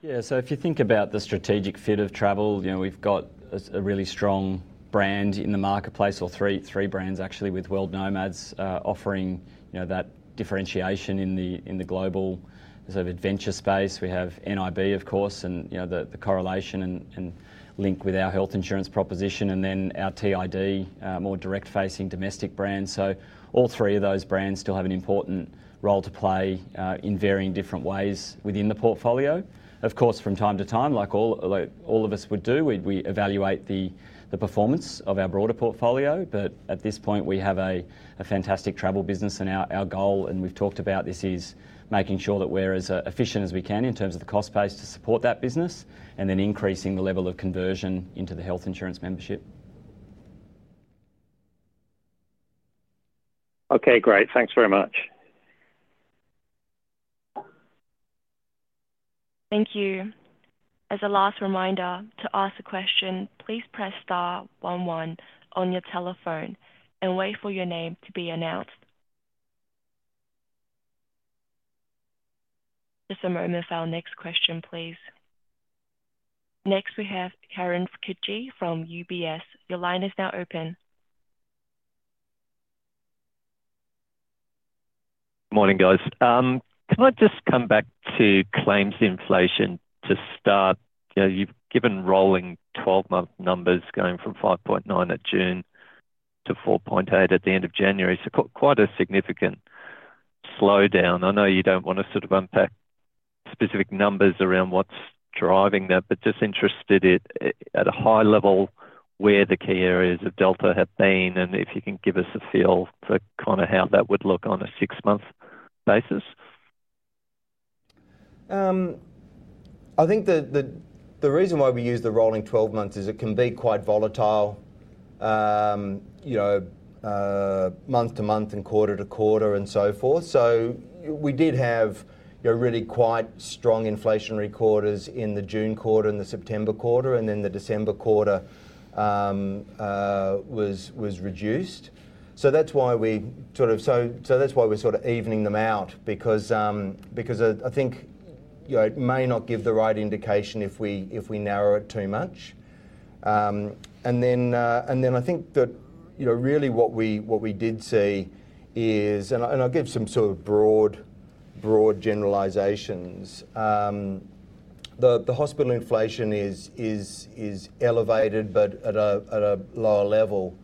Yeah. If you think about the strategic fit of Travel, we've got a really strong brand in the marketplace or three brands, actually, with World Nomads offering that differentiation in the global sort of adventure space. We have NIB, of course, and the correlation and link with our health insurance proposition. Then our TID, more direct-facing domestic brand. All three of those brands still have an important role to play in varying different ways within the portfolio. Of course, from time to time, like all of us would do, we evaluate the performance of our broader portfolio, but at this point, we have a fantastic travel business. And our goal, and we've talked about this, is making sure that we're as efficient as we can in terms of the cost base to support that business and then increasing the level of conversion into the health insurance membership. Okay. Great. Thanks very much. Thank you. As a last reminder to ask the question, please press star 11 on your telephone and wait for your name to be announced. Just a moment for our next question, please. Next, we have Kieren Chidgey from UBS. Your line is now open. Morning, guys. Can I just come back to claims inflation to start? You've given rolling 12-month numbers going from 5.9 at June to 4.8 at the end of January. So quite a significant slowdown. I know you don't want to sort of unpack specific numbers around what's driving that, but just interested at a high level where the key areas of Delta have been and if you can give us a feel for kind of how that would look on a six-month basis. I think the reason why we use the rolling 12 months is it can be quite volatile, month to month and quarter to quarter and so forth. So we did have really quite strong inflationary quarters in the June quarter and the September quarter, and then the December quarter was reduced. So that's why we're sort of evening them out because I think it may not give the right indication if we narrow it too much, and then I think that really what we did see is, and I'll give some sort of broad generalizations, the hospital inflation is elevated but at a lower level.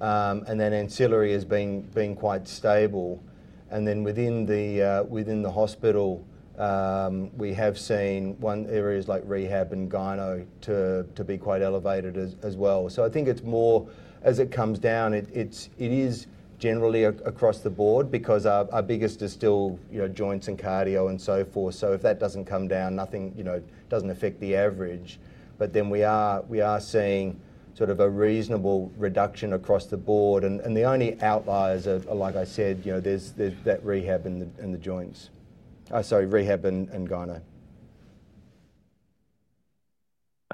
And then ancillary has been quite stable. And then within the hospital, we have seen areas like rehab and gyno to be quite elevated as well. So I think it's more as it comes down, it is generally across the board because our biggest is still joints and cardio and so forth. So if that doesn't come down, nothing doesn't affect the average. But then we are seeing sort of a reasonable reduction across the board. And the only outliers are, like I said, there's that rehab and the joints. Sorry, rehab and gynecology.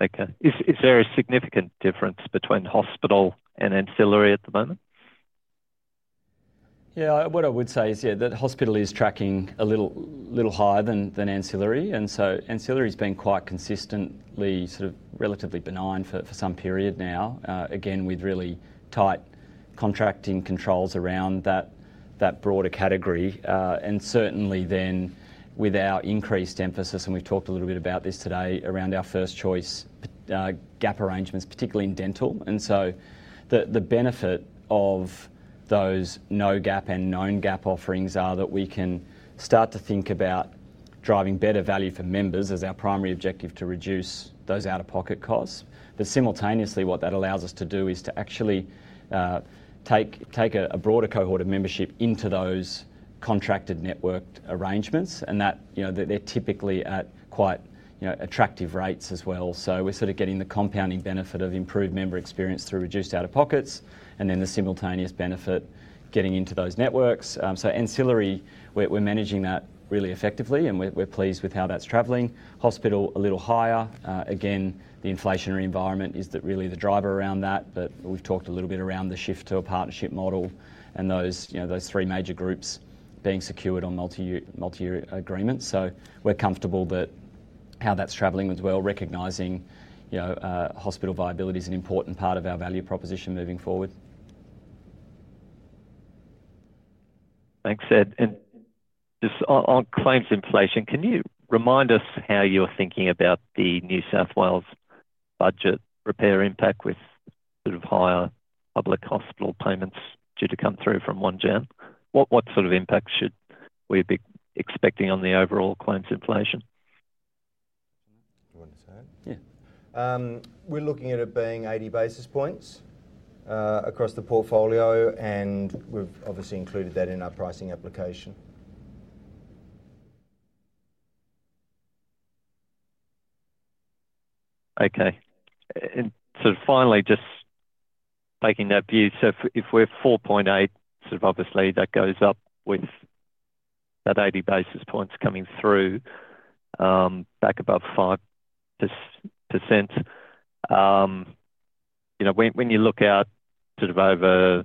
Okay. Is there a significant difference between hospital and ancillary at the moment? Yeah. What I would say is, yeah, that hospital is tracking a little higher than ancillary. And so ancillary has been quite consistently sort of relatively benign for some period now, again, with really tight contracting controls around that broader category. And certainly then with our increased emphasis, and we've talked a little bit about this today, around our First Choice gap arrangements, particularly in dental. And so the benefit of those No Gap and Known Gap offerings are that we can start to think about driving better value for members as our primary objective to reduce those out-of-pocket costs. But simultaneously, what that allows us to do is to actually take a broader cohort of membership into those contracted network arrangements. And they're typically at quite attractive rates as well. So, we're sort of getting the compounding benefit of improved member experience through reduced out-of-pockets and then the simultaneous benefit getting into those networks. So, ancillary, we're managing that really effectively, and we're pleased with how that's traveling. Hospital, a little higher. Again, the inflationary environment is really the driver around that. But we've talked a little bit around the shift to a partnership model and those three major groups being secured on multi-year agreements. So, we're comfortable that how that's traveling as well, recognizing hospital viability is an important part of our value proposition moving forward. Thanks, Ed. And just on claims inflation, can you remind us how you're thinking about the New South Wales budget repair impact with sort of higher public hospital payments due to come through from 1 January? What sort of impact should we be expecting on the overall claims inflation? Do you want to say it? Yeah. We're looking at it being 80 basis points across the portfolio, and we've obviously included that in our pricing application. Okay. And so finally, just taking that view, so if we're 4.8, sort of obviously that goes up with that 80 basis points coming through back above 5%. When you look at sort of over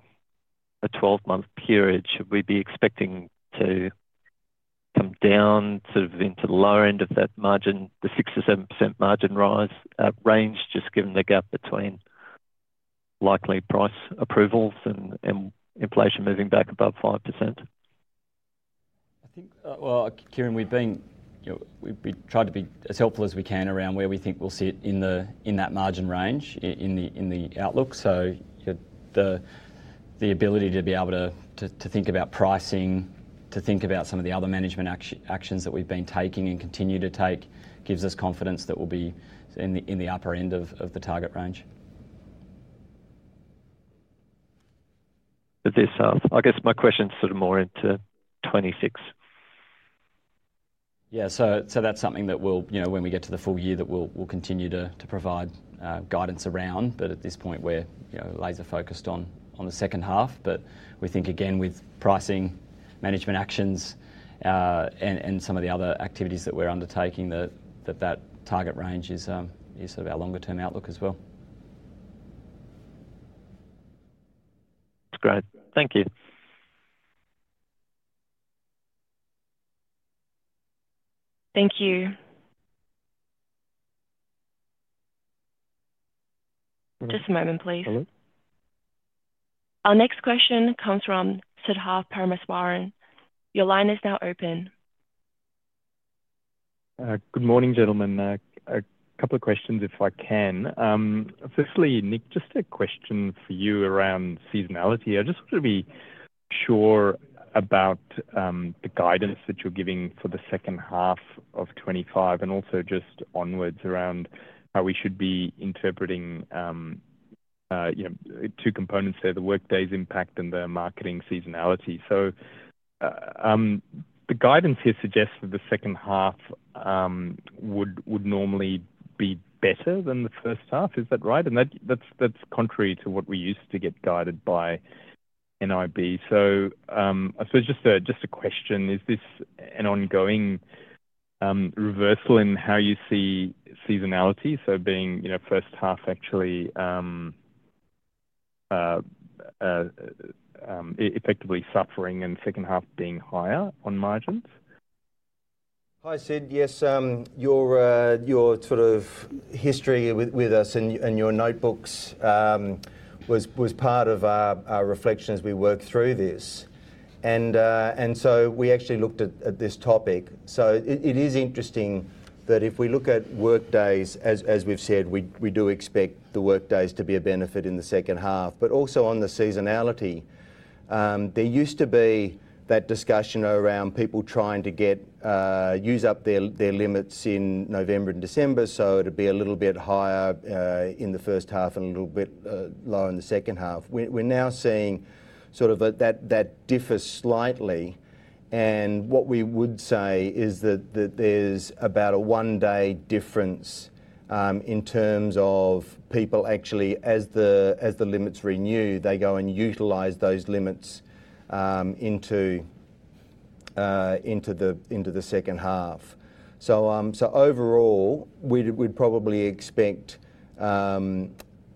a 12-month period, should we be expecting to come down sort of into the lower end of that margin, the 6%-7% margin rise range, just given the gap between likely price approvals and inflation moving back above 5%? I think, well, Kieren, we've tried to be as helpful as we can around where we think we'll sit in that margin range in the outlook. So the ability to be able to think about pricing, to think about some of the other management actions that we've been taking and continue to take gives us confidence that we'll be in the upper end of the target range. I guess my question's sort of more into 26. Yeah. So that's something that we'll, when we get to the full year, that we'll continue to provide guidance around. But at this point, we're laser-focused on the second half. But we think, again, with pricing, management actions, and some of the other activities that we're undertaking, that that target range is sort of our longer-term outlook as well. Great. Thank you. Thank you. Just a moment, please. Our next question comes from Shudha Parameswaran. Your line is now open. Good morning, gentlemen. A couple of questions if I can. Firstly, Nick, just a question for you around seasonality. I just want to be sure about the guidance that you're giving for the second half of 2025 and also just onwards around how we should be interpreting two components there, the workday's impact and the marketing seasonality. So the guidance here suggests that the second half would normally be better than the first half. Is that right? And that's contrary to what we used to get guided by NIB. So I suppose just a question, is this an ongoing reversal in how you see seasonality, so being first half actually effectively suffering and second half being higher on margins? Hi, Sid. Yes. Your sort of history with us and your notebooks was part of our reflection as we worked through this. And so we actually looked at this topic. It is interesting that if we look at workdays, as we've said, we do expect the workdays to be a benefit in the second half. But also on the seasonality, there used to be that discussion around people trying to use up their limits in November and December. It'd be a little bit higher in the first half and a little bit lower in the second half. We're now seeing sort of that differs slightly. What we would say is that there's about a one-day difference in terms of people actually, as the limits renew, they go and utilize those limits into the second half. Overall, we'd probably expect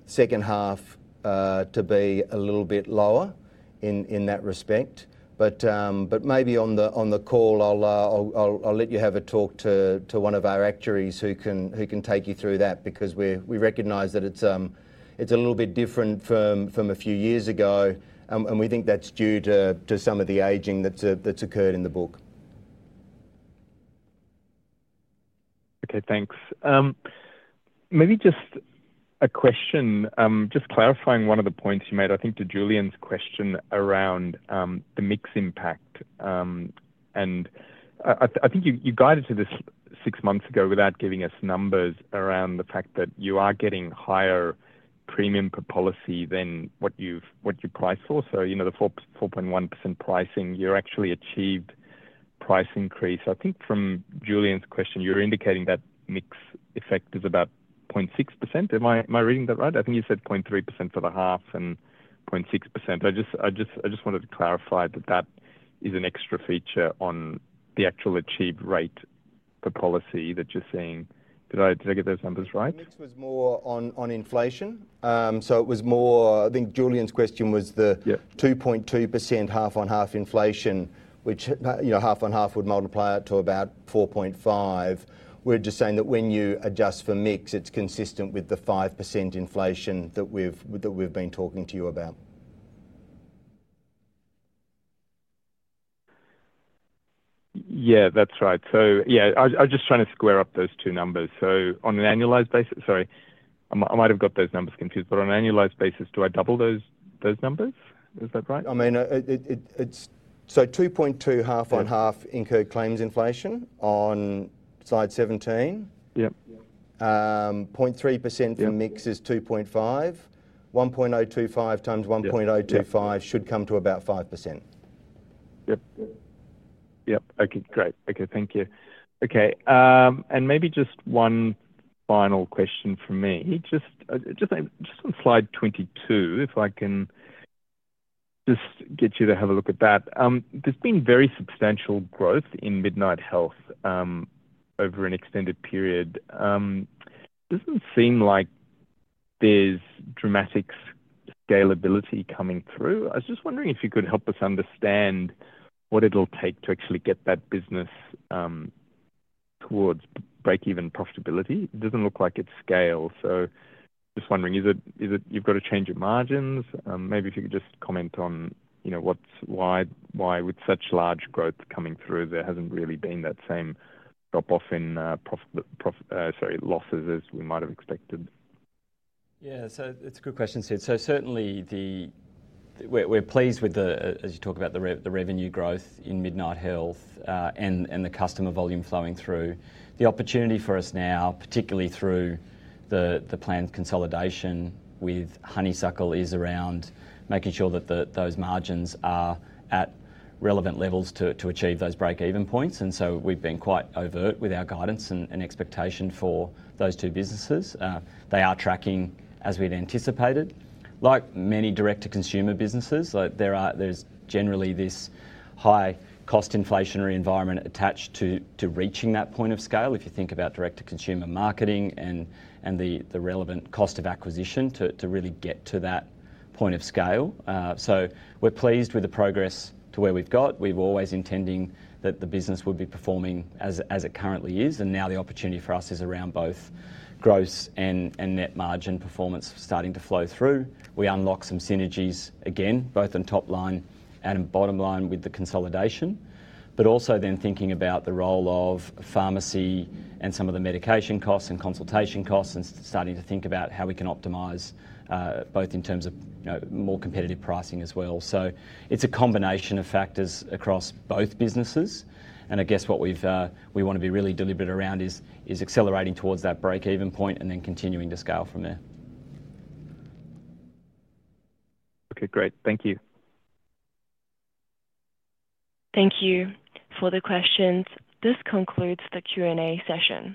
second half to be a little bit lower in that respect, but maybe on the call, I'll let you have a talk to one of our actuaries who can take you through that because we recognize that it's a little bit different from a few years ago. And we think that's due to some of the aging that's occurred in the book. Okay. Thanks. Maybe just a question, just clarifying one of the points you made, I think, to Julian's question around the mix impact. And I think you guided to this six months ago without giving us numbers around the fact that you are getting higher premium per policy than what you price for. So the 4.1% pricing, you actually achieved price increase. I think from Julian's question, you're indicating that mix effect is about 0.6%. Am I reading that right? I think you said 0.3% for the half and 0.6%. I just wanted to clarify that that is an extra feature on the actual achieved rate per policy that you're seeing. Did I get those numbers right? I think it was more on inflation. So it was more. I think Julian's question was the 2.2% half-on-half inflation, which half-on-half would multiply it to about 4.5. We're just saying that when you adjust for mix, it's consistent with the 5% inflation that we've been talking to you about. Yeah, that's right. So yeah, I was just trying to square up those two numbers. So on an annualized basis, sorry, I might have got those numbers confused. But on an annualized basis, do I double those numbers? Is that right? I mean, so 2.2 half-on-half incur claims inflation on slide 17. 0.3% for mix is 2.5. 1.025 times 1.025 should come to about 5%. Yep. Yep. Okay. Great. Okay. Thank you. Okay. Maybe just one final question for me. Just on slide 22, if I can just get you to have a look at that. There's been very substantial growth in Midnight Health over an extended period. Doesn't seem like there's dramatic scalability coming through. I was just wondering if you could help us understand what it'll take to actually get that business towards break-even profitability. It doesn't look like it's scale. So just wondering, you've got to change your margins. Maybe if you could just comment on why with such large growth coming through, there hasn't really been that same drop-off in, sorry, losses as we might have expected. Yeah. It's a good question, Sid. Certainly, we're pleased with, as you talk about, the revenue growth in Midnight Health and the customer volume flowing through. The opportunity for us now, particularly through the planned consolidation with Honeysuckle, is around making sure that those margins are at relevant levels to achieve those break-even points. And so we've been quite overt with our guidance and expectation for those two businesses. They are tracking as we'd anticipated. Like many direct-to-consumer businesses, there's generally this high-cost inflationary environment attached to reaching that point of scale, if you think about direct-to-consumer marketing and the relevant cost of acquisition to really get to that point of scale. So we're pleased with the progress to where we've got. We were always intending that the business would be performing as it currently is. And now the opportunity for us is around both gross and net margin performance starting to flow through. We unlock some synergies again, both on top line and bottom line with the consolidation. But also then thinking about the role of pharmacy and some of the medication costs and consultation costs and starting to think about how we can optimize both in terms of more competitive pricing as well. So it's a combination of factors across both businesses. And I guess what we want to be really deliberate around is accelerating towards that break-even point and then continuing to scale from there. Okay. Great. Thank you. Thank you for the questions. This concludes the Q&A session.